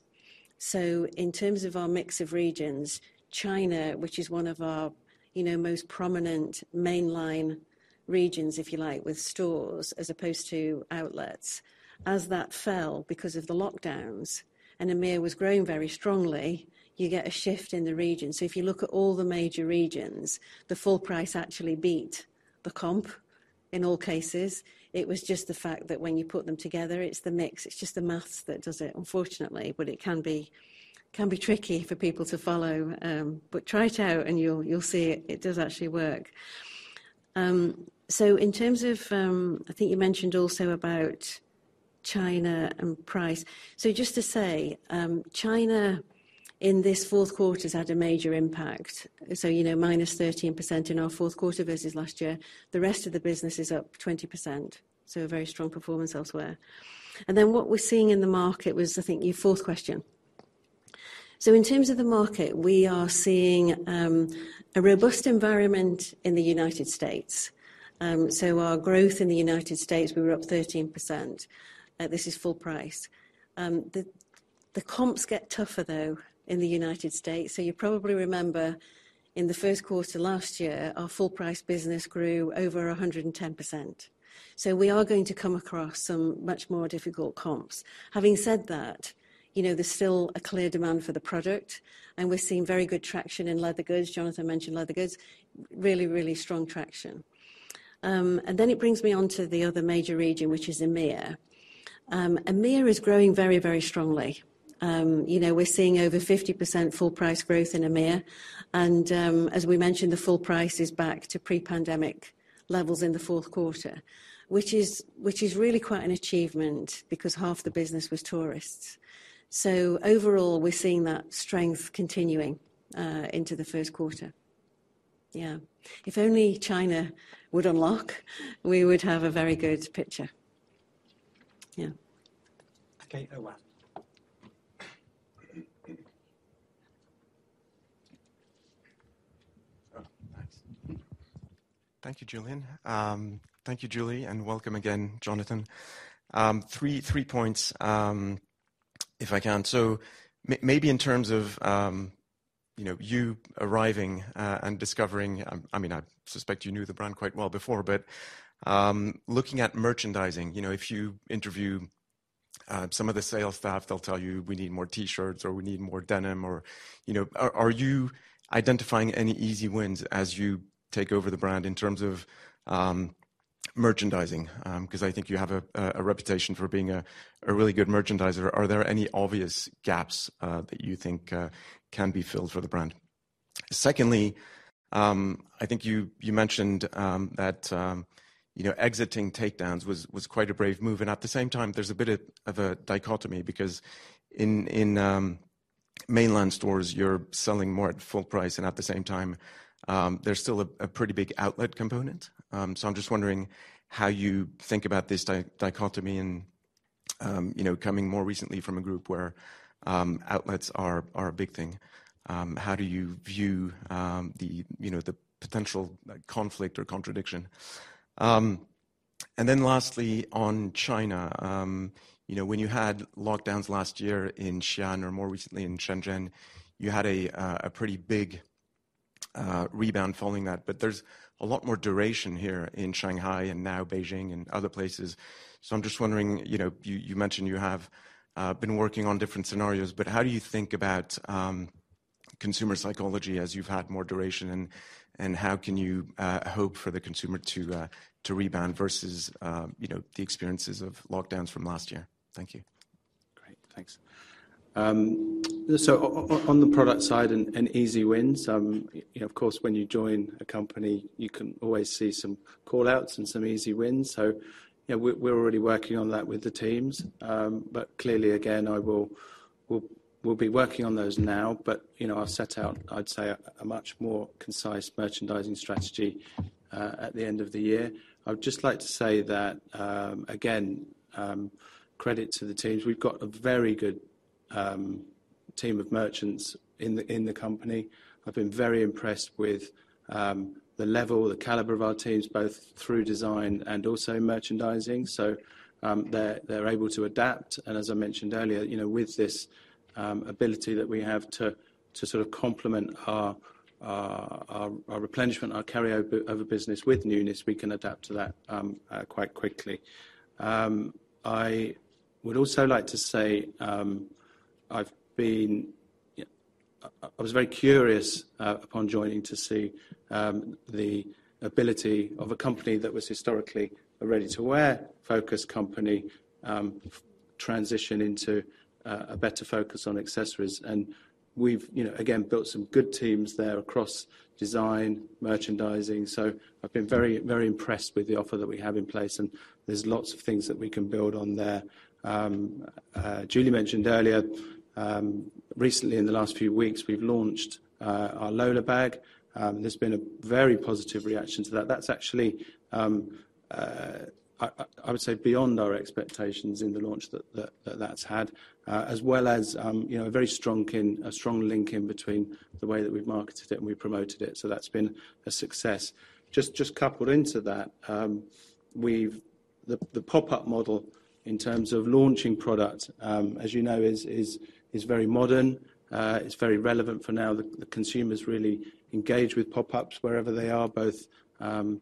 In terms of our mix of regions, China, which is one of our, you know, most prominent mainline regions, if you like, with stores as opposed to outlets, as that fell because of the lockdowns and EMEIA was growing very strongly, you get a shift in the region. If you look at all the major regions, the full price actually beat the comp in all cases. It was just the fact that when you put them together, it's the mix, it's just the math that does it, unfortunately. It can be tricky for people to follow. Try it out and you'll see it does actually work. In terms of, I think you mentioned also about China and price. Just to say, China in this fourth quarter has had a major impact. You know, -13% in our fourth quarter versus last year. The rest of the business is up 20%. A very strong performance elsewhere. What we're seeing in the market was, I think, your fourth question. In terms of the market, we are seeing a robust environment in the United States. Our growth in the United States, we were up 13%. This is full price. The comps get tougher, though, in the United States. You probably remember in the first quarter last year, our full price business grew over 110%. We are going to come across some much more difficult comps. Having said that, you know, there's still a clear demand for the product, and we're seeing very good traction in leather goods. Jonathan mentioned leather goods. Really, really strong traction. It brings me on to the other major region, which is EMEIA. EMEIA is growing very, very strongly. You know, we're seeing over 50% full price growth in EMEIA. As we mentioned, the full price is back to pre-pandemic levels in the fourth quarter, which is really quite an achievement because half the business was tourists. Overall, we're seeing that strength continuing into the first quarter. Yeah. If only China would unlock, we would have a very good picture. Yeah. Okay. Erwan. Oh, thanks. Thank you, Julie. Thank you, Julie, and welcome again, Jonathan. Three points, if I can. Maybe in terms of, you know, you arriving and discovering, I mean, I suspect you knew the brand quite well before. Looking at merchandising, you know, if you interview some of the sales staff, they'll tell you, "We need more T-shirts," or, "We need more denim," or, you know. Are you identifying any easy wins as you take over the brand in terms of merchandising? 'Cause I think you have a reputation for being a really good merchandiser. Are there any obvious gaps that you think can be filled for the brand? Secondly, I think you mentioned that you know, exiting takedowns was quite a brave move. At the same time, there's a bit of a dichotomy because in mainline stores you're selling more at full price, and at the same time, there's still a pretty big outlet component. I'm just wondering how you think about this dichotomy and, coming more recently from a group where outlets are a big thing. How do you view the potential conflict or contradiction? Lastly on China, when you had lockdowns last year in Xi'an or more recently in Shenzhen, you had a pretty big rebound following that. There's a lot more duration here in Shanghai and now Beijing and other places. I'm just wondering, you know, you mentioned you have been working on different scenarios, but how do you think about consumer psychology as you've had more duration, and how can you hope for the consumer to rebound versus, you know, the experiences of lockdowns from last year? Thank you. Great. Thanks. On the product side and easy wins, you know, of course, when you join a company, you can always see some call-outs and some easy wins. You know, we're already working on that with the teams. Clearly, again, we'll be working on those now, but you know, I'll set out, I'd say, a much more concise merchandising strategy at the end of the year. I would just like to say that, again, credit to the teams. We've got a very good team of merchants in the company. I've been very impressed with the level, the caliber of our teams, both through design and also merchandising. They're able to adapt and as I mentioned earlier, you know, with this ability that we have to sort of complement our replenishment, our carry over of business with newness, we can adapt to that quite quickly. I would also like to say, I was very curious upon joining to see the ability of a company that was historically a ready-to-wear focused company transition into a better focus on accessories. We've, you know, again, built some good teams there across design, merchandising, so I've been very impressed with the offer that we have in place, and there's lots of things that we can build on there. Julie mentioned earlier, recently in the last few weeks, we've launched our Lola bag. There's been a very positive reaction to that. That's actually, I would say, beyond our expectations in the launch that's had, as well as, you know, a very strong link in between the way that we've marketed it and we promoted it, so that's been a success. Just coupled into that, the pop-up model in terms of launching product, as you know, is very modern. It's very relevant for now. The consumers really engage with pop-ups wherever they are, both, you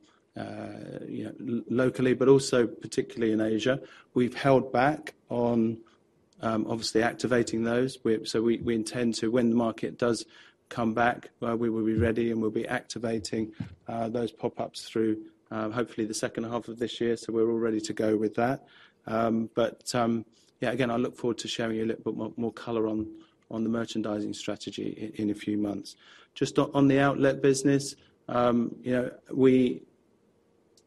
know, locally, but also particularly in Asia. We've held back on obviously activating those. We intend to. When the market does come back, we will be ready, and we'll be activating those pop-ups through hopefully the second half of this year. We're all ready to go with that. Yeah, again, I look forward to sharing a little bit more color on the merchandising strategy in a few months. Just on the outlet business, you know.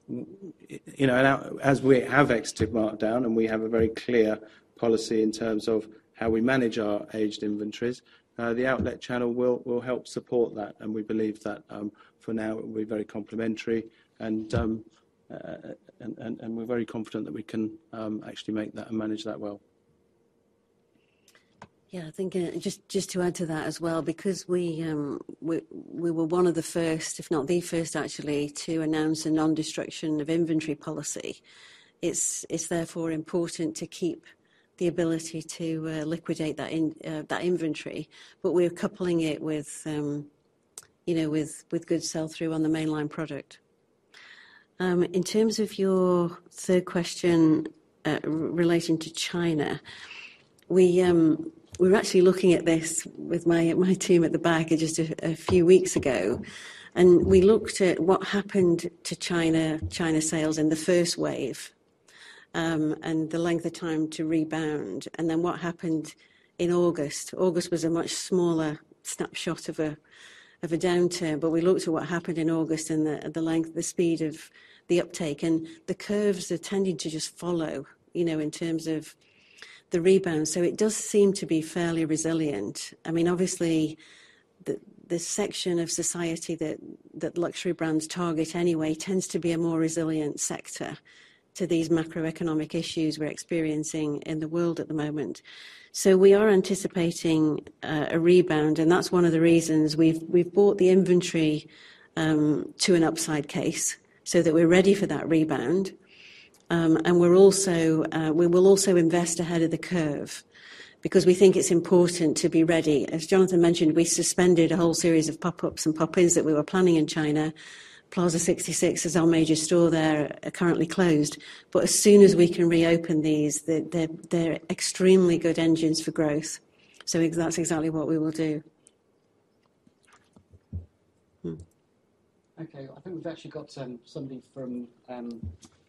You know, and as we have exited markdown and we have a very clear policy in terms of how we manage our aged inventories, the outlet channel will help support that, and we believe that for now it will be very complementary, and we're very confident that we can actually make that and manage that well. Yeah. I think, just to add to that as well, because we were one of the first, if not the first actually, to announce a non-destruction of inventory policy, it's therefore important to keep the ability to liquidate that inventory. We're coupling it with, you know, with good sell-through on the mainline product. In terms of your third question, relating to China, we're actually looking at this with my team at the back just a few weeks ago. We looked at what happened to China sales in the first wave, and the length of time to rebound. Then what happened in August. August was a much smaller snapshot of a downturn. We looked at what happened in August and the length, the speed of the uptake, and the curves are tending to just follow, you know, in terms of the rebound. It does seem to be fairly resilient. The section of society that luxury brands target anyway tends to be a more resilient sector to these macroeconomic issues we're experiencing in the world at the moment. We are anticipating a rebound, and that's one of the reasons we've bought the inventory to an upside case so that we're ready for that rebound. We will also invest ahead of the curve because we think it's important to be ready. As Jonathan mentioned, we suspended a whole series of popups and pop-ins that we were planning in China. Plaza 66 is our major store there, currently closed. As soon as we can reopen these, they're extremely good engines for growth, so exactly what we will do. Hmm. Okay. I think we've actually got somebody.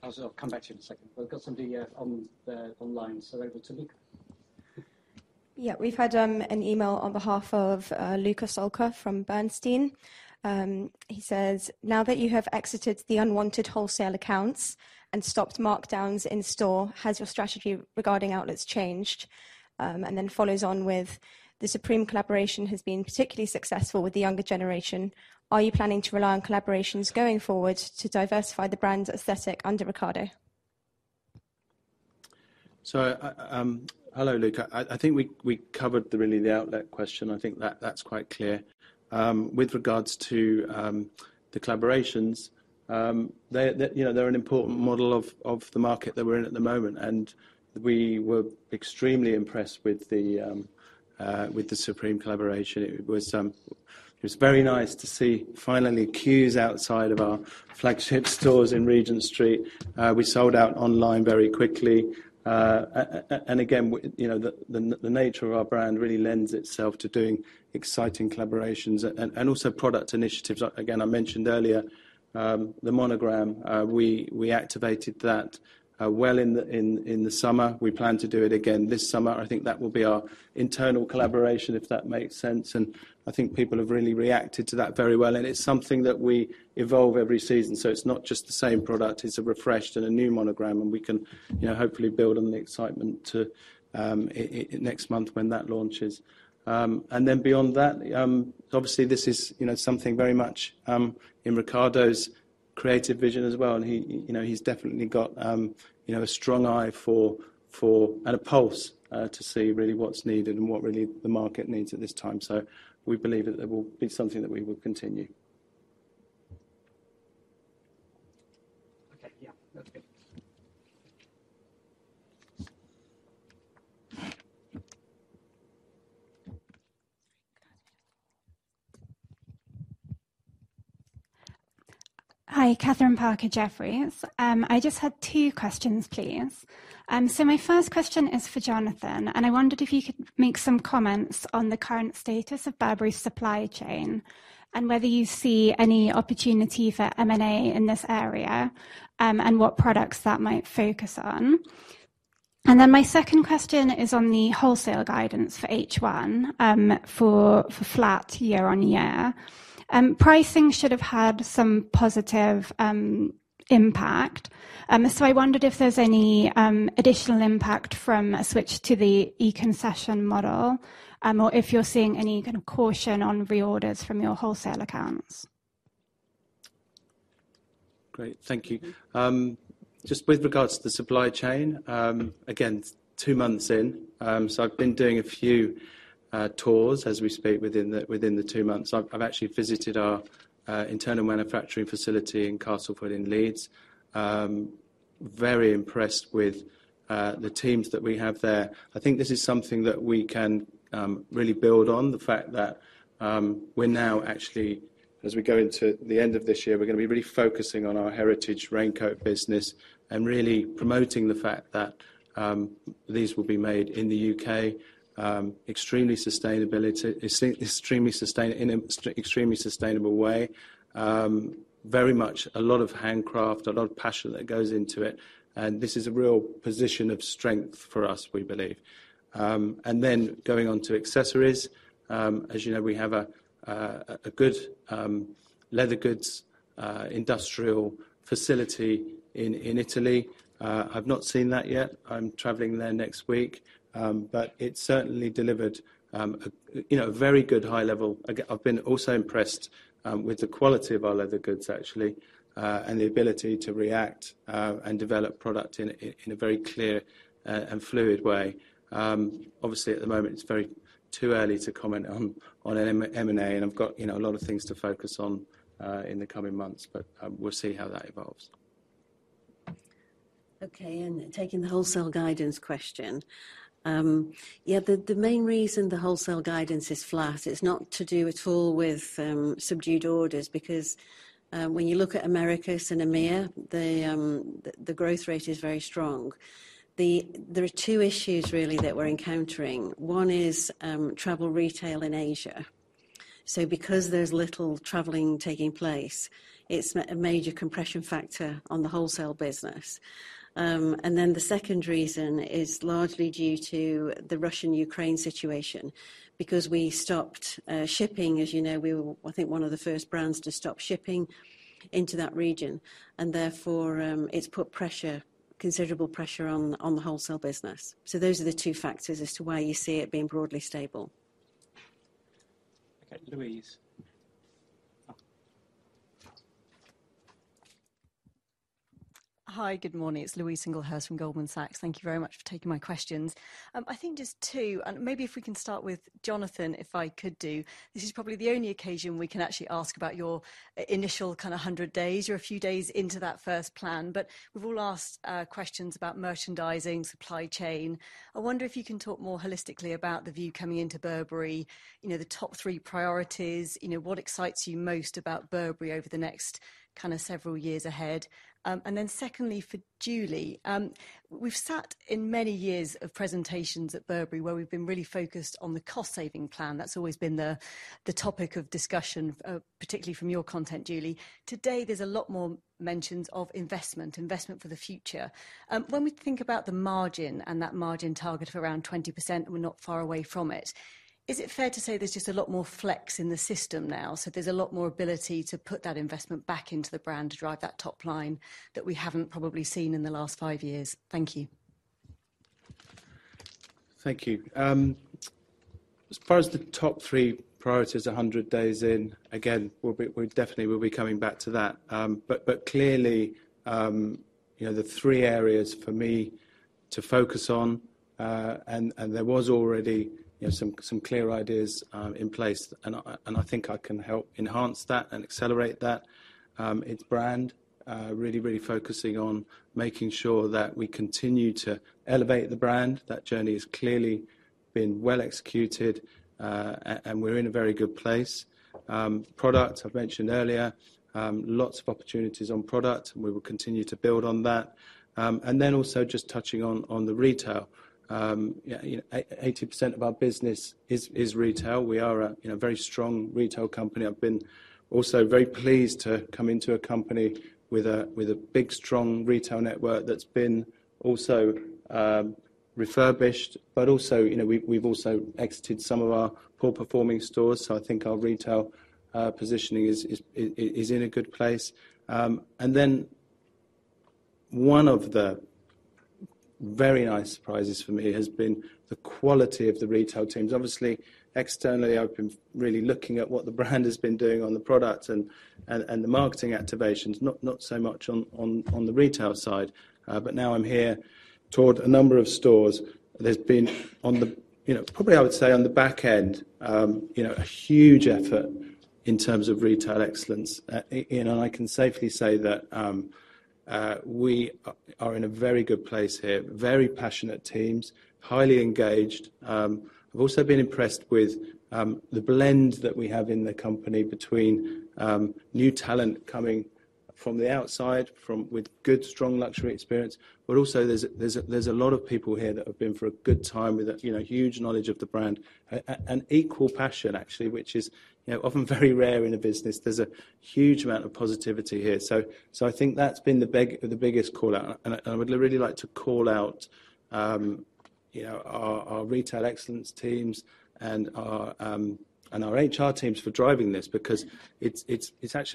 I'll sort of come back to you in a second. We've got somebody on the line. Over to Luca. Yeah. We've had an email on behalf of Luca Solca from Bernstein. He says, "Now that you have exited the unwanted wholesale accounts and stopped markdowns in store, has your strategy regarding outlets changed?" Then follows on with, "The Supreme collaboration has been particularly successful with the younger generation. Are you planning to rely on collaborations going forward to diversify the brand's aesthetic under Riccardo?" Hello, Luca. I think we really covered the outlet question. I think that's quite clear. With regards to the collaborations, they're you know, they're an important model of the market that we're in at the moment, and we were extremely impressed with the Supreme collaboration. It was very nice to see finally queues outside of our flagship stores in Regent Street. We sold out online very quickly. Again, we you know, the nature of our brand really lends itself to doing exciting collaborations and also product initiatives. Again, I mentioned earlier, the monogram, we activated that well in the summer. We plan to do it again this summer. I think that will be our internal collaboration, if that makes sense. I think people have really reacted to that very well, and it's something that we evolve every season, so it's not just the same product, it's a refreshed and a new monogram, and we can, you know, hopefully build on the excitement to it next month when that launches. Then beyond that, obviously this is, you know, something very much in Riccardo's creative vision as well, and he, you know, he's definitely got you know a strong eye for and a pulse to see really what's needed and what really the market needs at this time. We believe that there will be something that we will continue. Okay. Yeah. That's good. Hi. Kathryn Parker, Jefferies. I just had two questions, please. My first question is for Jonathan. I wondered if you could make some comments on the current status of Burberry's supply chain, and whether you see any opportunity for M&A in this area, and what products that might focus on. My second question is on the wholesale guidance for H1, for flat year on year. Pricing should have had some positive impact. I wondered if there's any additional impact from a switch to the e-concession model, or if you're seeing any kind of caution on reorders from your wholesale accounts. Great. Thank you. Just with regards to the supply chain, again, two months in, I've been doing a few tours as we speak within the two months. I've actually visited our internal manufacturing facility in Castleford in Leeds. Very impressed with the teams that we have there. I think this is something that we can really build on the fact that, we're now actually, as we go into the end of this year, we're gonna be really focusing on our heritage raincoat business and really promoting the fact that, these will be made in the U.K., extremely sustainable way. Very much a lot of handcraft, a lot of passion that goes into it, and this is a real position of strength for us, we believe. Going on to accessories, as you know, we have a good leather goods industrial facility in Italy. I've not seen that yet. I'm traveling there next week. It's certainly delivered, you know, a very good high level. Again, I've been also impressed with the quality of our leather goods, actually, and the ability to react and develop product in a very clear and fluid way. Obviously, at the moment, it's very too early to comment on M&A, and I've got, you know, a lot of things to focus on in the coming months, but we'll see how that evolves. Okay. Taking the wholesale guidance question. The main reason the wholesale guidance is flat is not to do at all with subdued orders because when you look at Americas and EMEIA, the growth rate is very strong. There are two issues really that we're encountering. One is travel retail in Asia. Because there's little traveling taking place, it's a major compression factor on the wholesale business. The second reason is largely due to the Russian-Ukraine situation because we stopped shipping. As you know, we were, I think, one of the first brands to stop shipping into that region, and therefore, it's put considerable pressure on the wholesale business. Those are the two factors as to why you see it being broadly stable. Okay, Louise. Oh. Hi, good morning. It's Louise Singlehurst from Goldman Sachs. Thank you very much for taking my questions. I think just two, and maybe if we can start with Jonathan, if I could, too. This is probably the only occasion we can actually ask about your initial kind of hundred days. You're a few days into that first plan, but we've all asked questions about merchandising, supply chain. I wonder if you can talk more holistically about the view coming into Burberry, you know, the top three priorities, you know, what excites you most about Burberry over the next kind of several years ahead. Secondly, for Julie, we've sat in many years of presentations at Burberry where we've been really focused on the cost-saving plan. That's always been the topic of discussion, particularly from your tenure, Julie. Today, there's a lot more mentions of investment for the future. When we think about the margin and that margin target of around 20%, and we're not far away from it, is it fair to say there's just a lot more flex in the system now, so there's a lot more ability to put that investment back into the brand to drive that top line that we haven't probably seen in the last five years? Thank you. Thank you. As far as the top three priorities 100 days in, again, we definitely will be coming back to that. Clearly, you know, the three areas for me to focus on, and there was already, you know, some clear ideas in place, and I think I can help enhance that and accelerate that, is brand. Really focusing on making sure that we continue to elevate the brand. That journey has clearly been well executed, and we're in a very good place. Product, I've mentioned earlier, lots of opportunities on product, and we will continue to build on that. Then also just touching on the retail. 80% of our business is retail. We are a very strong retail company. I've been also very pleased to come into a company with a big, strong retail network that's been also refurbished, but also, you know, we've also exited some of our poor performing stores, so I think our retail positioning is in a good place. One of the very nice surprises for me has been the quality of the retail teams. Obviously, externally, I've been really looking at what the brand has been doing on the product and the marketing activations, not so much on the retail side. Now I'm here, toured a number of stores. There's been, you know, probably I would say on the back end, you know, a huge effort in terms of retail excellence. I can safely say that we are in a very good place here, very passionate teams, highly engaged. I've also been impressed with the blend that we have in the company between new talent coming from the outside with good, strong luxury experience. Also there's a lot of people here that have been for a good time with you know huge knowledge of the brand. Equal passion, actually, which is you know often very rare in a business. There's a huge amount of positivity here. I think that's been the biggest call-out. I would really like to call out you know our retail excellence teams and our HR teams for driving this. As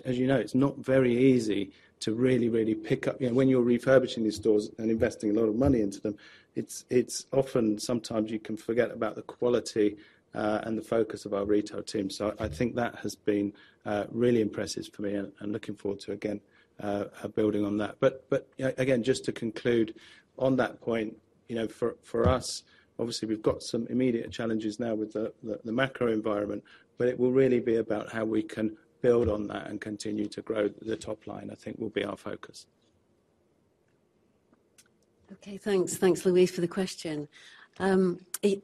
you know, it's not very easy to really pick up. You know, when you're refurbishing these stores and investing a lot of money into them, it's often sometimes you can forget about the quality and the focus of our retail team. I think that has been really impressive for me and looking forward to again building on that. Again, just to conclude on that point, you know, for us, obviously, we've got some immediate challenges now with the macro environment, but it will really be about how we can build on that and continue to grow the top line. I think that will be our focus. Okay, thanks. Thanks, Louise, for the question. There's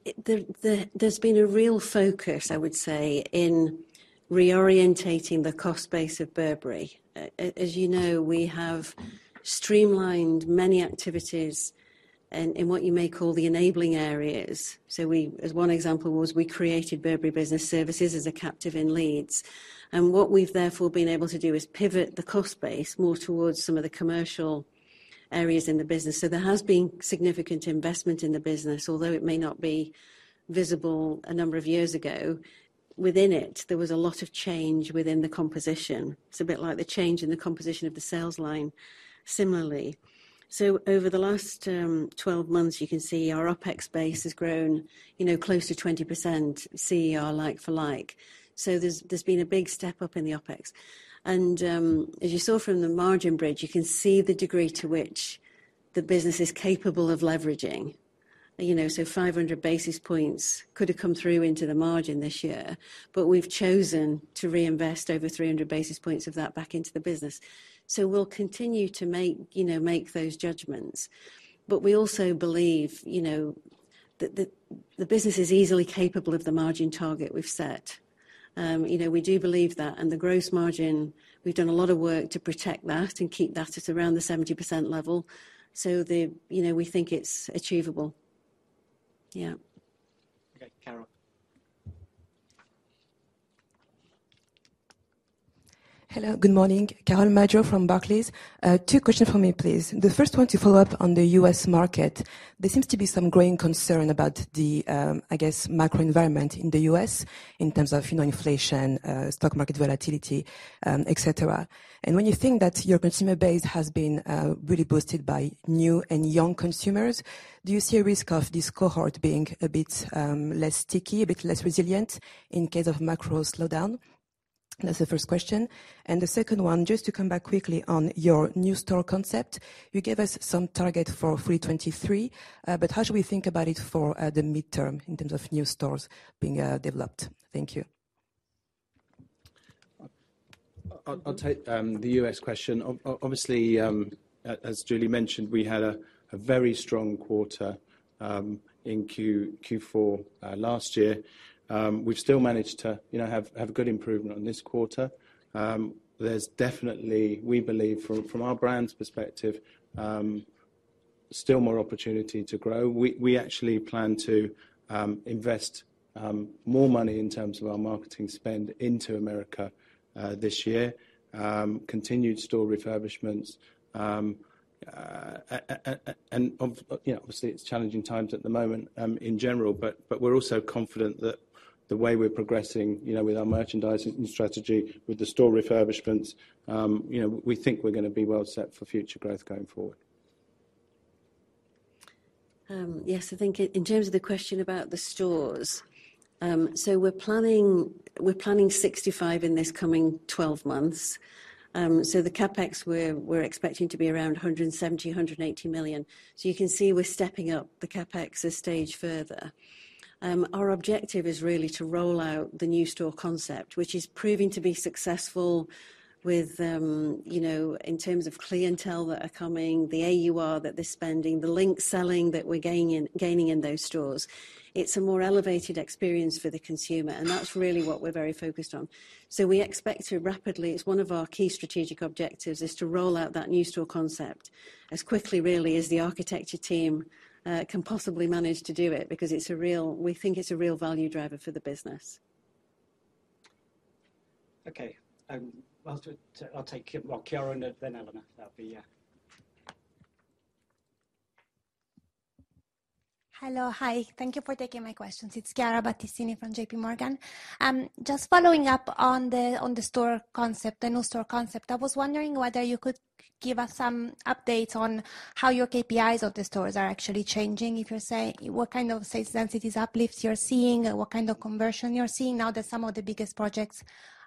been a real focus, I would say, in reorienting the cost base of Burberry. As you know, we have streamlined many activities in what you may call the enabling areas. We, as one example, created Burberry Business Services as a captive in Leeds, and what we've therefore been able to do is pivot the cost base more towards some of the commercial areas in the business. There has been significant investment in the business. Although it may not be visible a number of years ago, within it, there was a lot of change within the composition. It's a bit like the change in the composition of the sales line similarly. Over the last 12 months, you can see our OpEx base has grown, you know, close to 20% CER like for like. There's been a big step up in the OpEx. As you saw from the margin bridge, you can see the degree to which the business is capable of leveraging. You know, 500 basis points could have come through into the margin this year, but we've chosen to reinvest over 300 basis points of that back into the business. We'll continue to make, you know, those judgments. We also believe, you know, that the business is easily capable of the margin target we've set. You know, we do believe that, and the gross margin, we've done a lot of work to protect that and keep that at around the 70% level. You know, we think it's achievable. Yeah. Okay, Carole. Hello, good morning. Carole Madjo from Barclays. Two questions from me, please. The first one to follow up on the U.S. market. There seems to be some growing concern about the, I guess, macro environment in the U.S. in terms of, you know, inflation, stock market volatility, et cetera. When you think that your consumer base has been really boosted by new and young consumers, do you see a risk of this cohort being a bit less sticky, a bit less resilient in case of macro slowdown? That's the first question. The second one, just to come back quickly on your new store concept. You gave us some target for 2023, but how should we think about it for the medium term in terms of new stores being developed? Thank you. I'll take the U.S. question. Obviously, as Julie mentioned, we had a very strong quarter in Q4 last year. We've still managed to, you know, have good improvement on this quarter. There's definitely, we believe from our brand's perspective, still more opportunity to grow. We actually plan to invest more money in terms of our marketing spend into America this year, continued store refurbishments. You know, obviously it's challenging times at the moment in general, but we're also confident that the way we're progressing, you know, with our merchandising strategy, with the store refurbishments, you know, we think we're gonna be well set for future growth going forward. Yes, I think in terms of the question about the stores, we're planning 65 in this coming 12 months. The CapEx, we're expecting to be around 170 million-180 million. You can see we're stepping up the CapEx a stage further. Our objective is really to roll out the new store concept, which is proving to be successful with, in terms of clientele that are coming, the AUR that they're spending, the linked selling that we're gaining in those stores. It's a more elevated experience for the consumer, and that's really what we're very focused on. We expect to rapidly. It's one of our key strategic objectives, is to roll out that new store concept as quickly really as the architecture team can possibly manage to do it, because we think it's a real value driver for the business. Okay. I'll do it. I'll take Chiara and then Elena Mariani. That'll be. Hello. Hi. Thank you for taking my questions. It's Chiara Battistini from JPMorgan. Just following up on the store concept, the new store concept. I was wondering whether you could give us some updates on how your KPIs of the stores are actually changing. If you say, what kind of sales densities uplifts you're seeing, or what kind of conversion you're seeing now that some of the biggest projects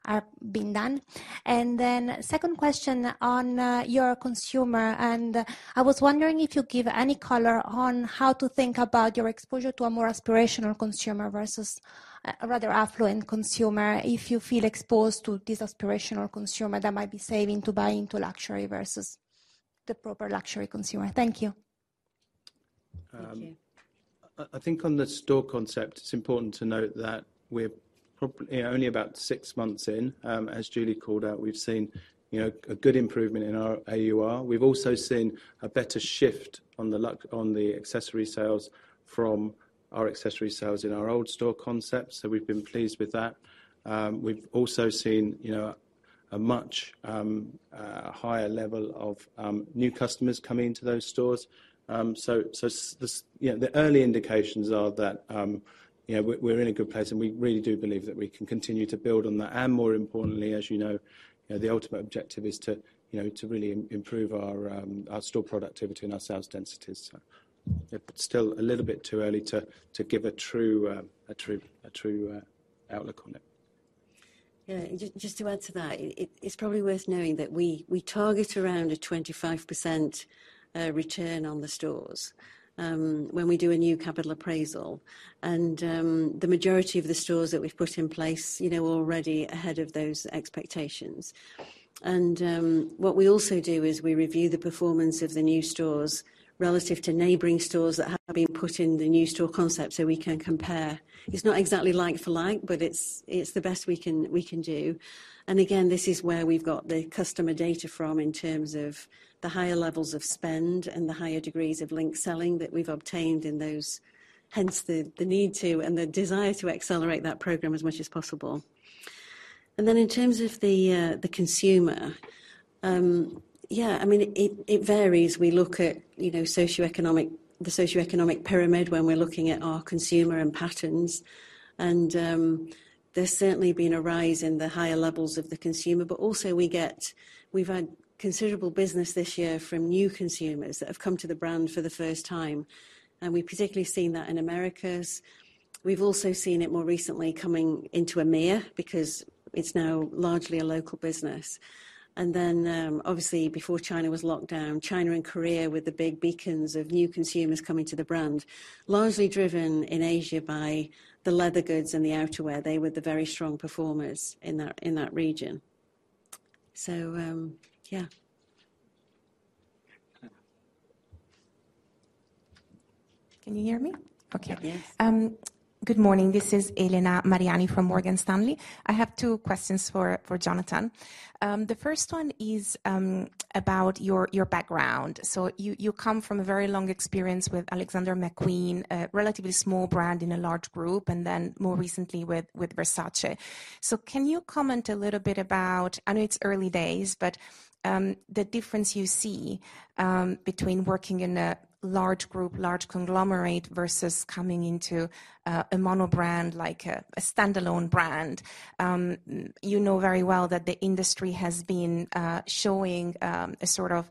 are being done. Second question on your consumer, and I was wondering if you give any color on how to think about your exposure to a more aspirational consumer versus a rather affluent consumer. If you feel exposed to this aspirational consumer that might be saving to buy into luxury versus the proper luxury consumer. Thank you. Thank you. I think on the store concept, it's important to note that we're only about six months in. As Julie called out, we've seen, you know, a good improvement in our AUR. We've also seen a better shift on the accessory sales from our accessory sales in our old store concept. So we've been pleased with that. We've also seen, you know, a much higher level of new customers coming into those stores. So you know, the early indications are that, you know, we're in a good place, and we really do believe that we can continue to build on that. More importantly, as you know, you know, the ultimate objective is to, you know, to really improve our store productivity and our sales densities. It's still a little bit too early to give a true outlook on it. Yeah. Just to add to that, it's probably worth knowing that we target around a 25% return on the stores when we do a new capital appraisal. The majority of the stores that we've put in place, you know, are already ahead of those expectations. What we also do is we review the performance of the new stores relative to neighboring stores that have been put in the new store concept so we can compare. It's not exactly like for like, but it's the best we can do. This is where we've got the customer data from in terms of the higher levels of spend and the higher degrees of linked selling that we've obtained in those, hence the need to and the desire to accelerate that program as much as possible. In terms of the consumer, yeah, I mean, it varies. We look at, you know, the socioeconomic pyramid when we're looking at our consumer and patterns. There's certainly been a rise in the higher levels of the consumer, but also we've had considerable business this year from new consumers that have come to the brand for the first time. We've particularly seen that in Americas. We've also seen it more recently coming into EMEIA because it's now largely a local business. Obviously, before China was locked down, China and Korea were the big beacons of new consumers coming to the brand, largely driven in Asia by the leather goods and the outerwear. They were the very strong performers in that region. Okay. Can you hear me? Okay. Yes. Good morning. This is Elena Mariani from Morgan Stanley. I have two questions for Jonathan. The first one is about your background. You come from a very long experience with Alexander McQueen, a relatively small brand in a large group, and then more recently with Versace. Can you comment a little bit about, I know it's early days, but the difference you see between working in a large group, large conglomerate, versus coming into a mono-brand like a standalone brand. You know very well that the industry has been showing a sort of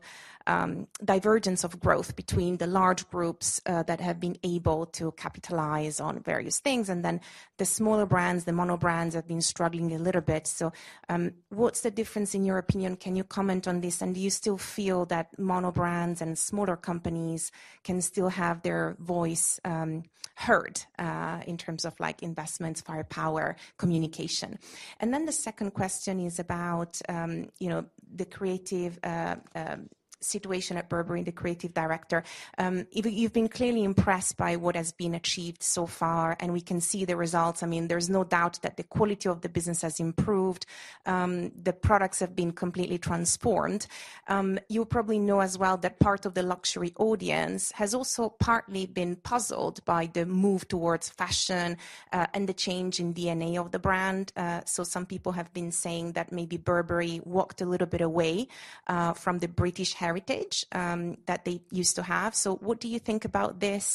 divergence of growth between the large groups that have been able to capitalize on various things, and then the smaller brands, the mono brands have been struggling a little bit. What's the difference in your opinion? Can you comment on this? Do you still feel that mono brands and smaller companies can still have their voice heard in terms of like investments, firepower, communication? The second question is about you know the creative situation at Burberry, the creative director. You've been clearly impressed by what has been achieved so far, and we can see the results. I mean, there's no doubt that the quality of the business has improved. The products have been completely transformed. You probably know as well that part of the luxury audience has also partly been puzzled by the move towards fashion and the change in DNA of the brand. Some people have been saying that maybe Burberry walked a little bit away from the British heritage that they used to have. What do you think about this?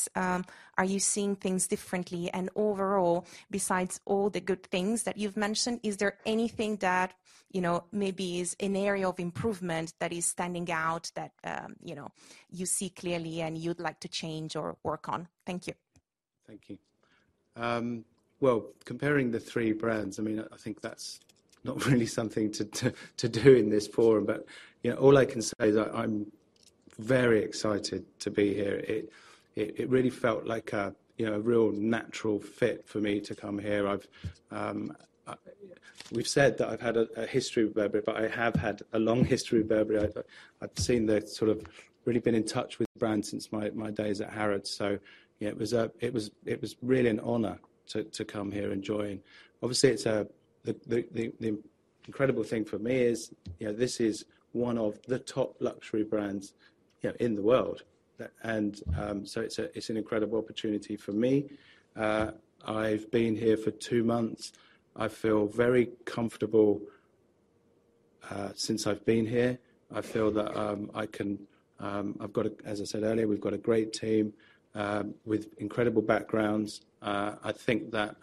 Are you seeing things differently? Overall, besides all the good things that you've mentioned, is there anything that, you know, maybe is an area of improvement that is standing out that, you know, you see clearly and you'd like to change or work on? Thank you. Thank you. Well, comparing the three brands, I mean, I think that's not really something to do in this forum. You know, all I can say is that I'm very excited to be here. It really felt like, you know, a real natural fit for me to come here. We've said that I've had a history with Burberry, but I have had a long history with Burberry. I've really been in touch with the brand since my days at Harrods. You know, it was really an honor to come here and join. Obviously, the incredible thing for me is, you know, this is one of the top luxury brands, you know, in the world. It's an incredible opportunity for me. I've been here for two months. I feel very comfortable since I've been here. I feel that I can. As I said earlier, we've got a great team with incredible backgrounds. I think that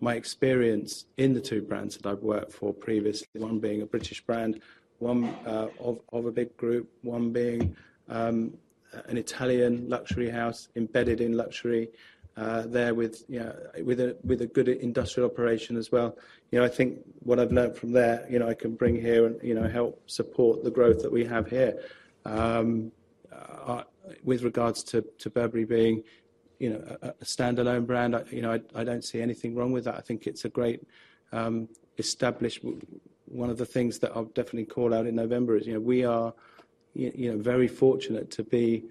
my experience in the two brands that I've worked for previously, one being a British brand, one of a big group, one being an Italian luxury house embedded in luxury, there with, you know, with a good industrial operation as well. You know, I think what I've learned from there, you know, I can bring here and, you know, help support the growth that we have here. With regards to Burberry being, you know, a standalone brand, I, you know, don't see anything wrong with that. I think it's a great establishment. One of the things that I'll definitely call out in November is, you know, we are, you know, very fortunate to be,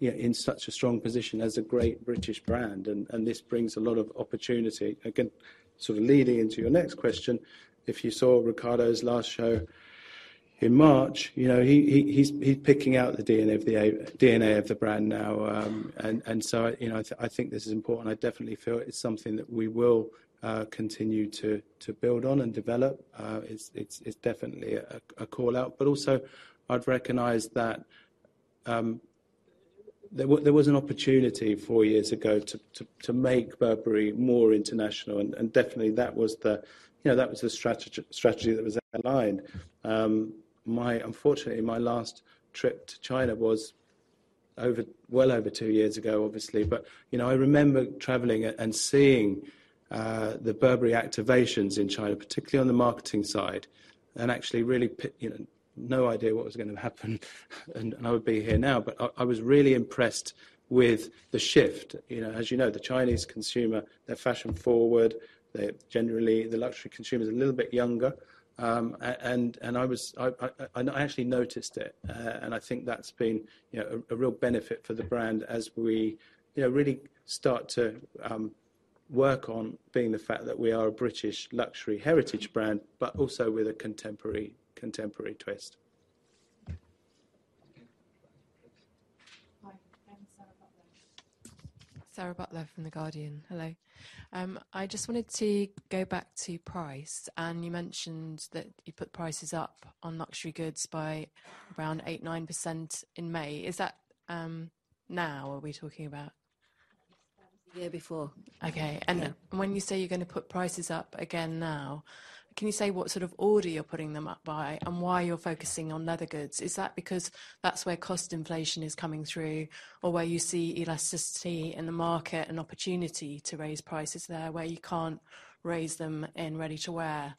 you know, in such a strong position as a great British brand, and this brings a lot of opportunity. Again, sort of leading into your next question, if you saw Riccardo's last show in March, you know, he is picking out the DNA of the brand now. And so, you know, I think this is important. I definitely feel it's something that we will continue to build on and develop. It's definitely a call out. Also, I'd recognize that there was an opportunity four years ago to make Burberry more international and definitely that was the, you know, strategy that was outlined. Unfortunately, my last trip to China was over, well over two years ago, obviously. You know, I remember traveling and seeing the Burberry activations in China, particularly on the marketing side, and actually really, you know, no idea what was gonna happen and I would be here now. I actually noticed it. I think that's been, you know, a real benefit for the brand as we, you know, really start to work on being the fact that we are a British luxury heritage brand, but also with a contemporary twist. Okay. Hi. My name is Sarah Butler. Sarah Butler from The Guardian. Hello. I just wanted to go back to price. You mentioned that you put prices up on luxury goods by around 8%-9% in May. Is that, now are we talking about? That was the year before. Okay. Yeah. When you say you're gonna put prices up again now, can you say what sort of order you're putting them up by and why you're focusing on leather goods? Is that because that's where cost inflation is coming through, or where you see elasticity in the market and opportunity to raise prices there where you can't raise them in ready-to-wear?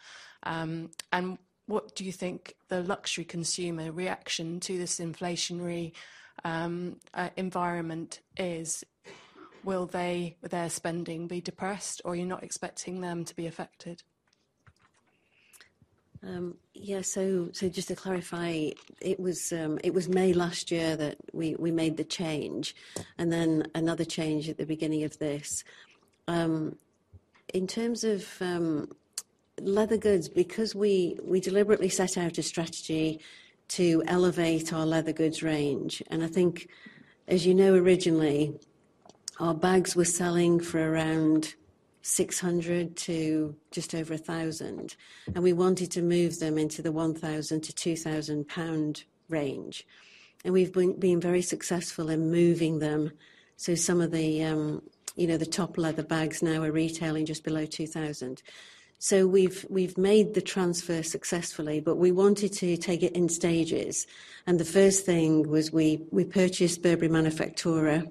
What do you think the luxury consumer reaction to this inflationary environment is? Will they, with their spending, be depressed or you're not expecting them to be affected? Yeah, just to clarify, it was May last year that we made the change, and then another change at the beginning of this. In terms of leather goods, because we deliberately set out a strategy to elevate our leather goods range, and I think as you know originally, our bags were selling for around 600 to just over 1,000. We wanted to move them into the 1,000-2,000 pound range. We've been very successful in moving them, so some of the, you know, the top leather bags now are retailing just below 2,000. We've made the transfer successfully, but we wanted to take it in stages. The first thing was we purchased Burberry Manifattura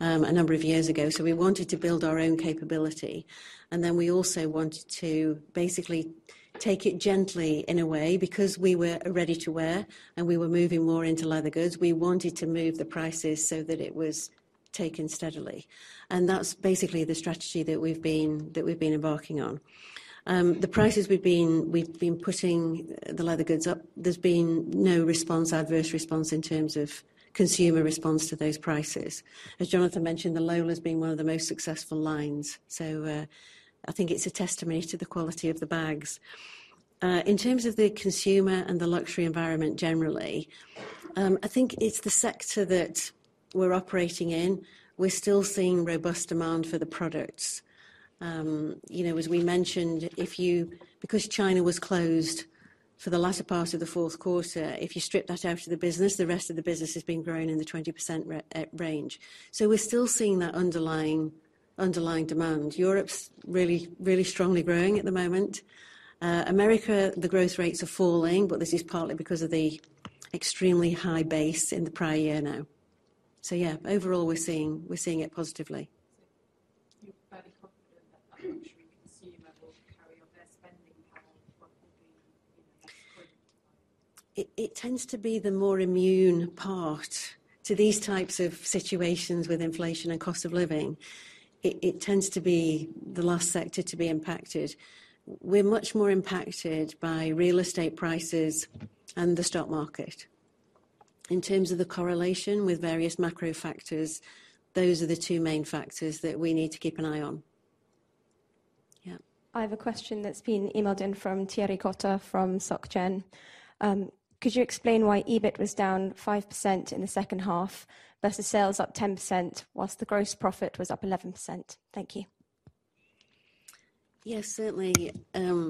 a number of years ago, so we wanted to build our own capability. Then we also wanted to basically take it gently in a way because we were a ready-to-wear, and we were moving more into leather goods. We wanted to move the prices so that it was taken steadily. That's basically the strategy that we've been embarking on. The prices we've been putting the leather goods up. There's been no adverse response in terms of consumer response to those prices. As Jonathan mentioned, the Lola's been one of the most successful lines, so I think it's a testimony to the quality of the bags. In terms of the consumer and the luxury environment generally, I think it's the sector that we're operating in. We're still seeing robust demand for the products. You know, as we mentioned, because China was closed for the latter part of the fourth quarter, if you strip that out of the business, the rest of the business has been growing in the 20% range. We're still seeing that underlying demand. Europe's really strongly growing at the moment. America, the growth rates are falling, but this is partly because of the extremely high base in the prior year now. Yeah, overall we're seeing it positively. You're fairly confident that the luxury consumer will carry on their spending patterns what with the, you know, current climate? It tends to be the more immune part to these types of situations with inflation and cost of living. It tends to be the last sector to be impacted. We're much more impacted by real estate prices and the stock market. In terms of the correlation with various macro factors, those are the two main factors that we need to keep an eye on. Yeah. I have a question that's been emailed in from Thierry Cota from Société Générale. Could you explain why EBIT was down 5% in the second half versus sales up 10%, while the gross profit was up 11%? Thank you. Yes, certainly,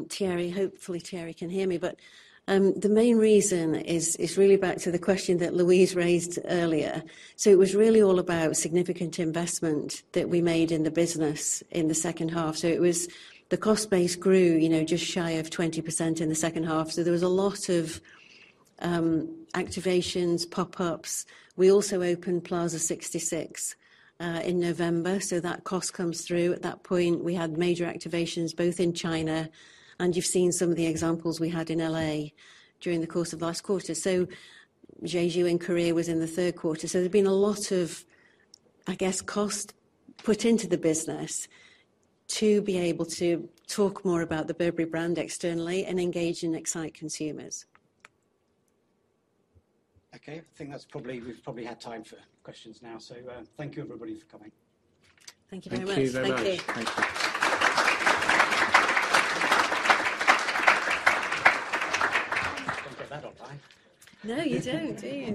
Thierry. Hopefully, Thierry can hear me. The main reason is really back to the question that Louise raised earlier. It was really all about significant investment that we made in the business in the second half. It was the cost base grew, you know, just shy of 20% in the second half. There was a lot of activations, pop-ups. We also opened Plaza 66 in November, so that cost comes through. At that point, we had major activations both in China, and you've seen some of the examples we had in L.A. during the course of last quarter. Jeju in Korea was in the third quarter. There's been a lot of, I guess, cost put into the business to be able to talk more about the Burberry brand externally and engage and excite consumers. Okay. I think that's probably. We've probably had time for questions now. Thank you everybody for coming. Thank you very much. Thank you very much. Thank you. Thank you. Don't get that online. No, you don't, do you?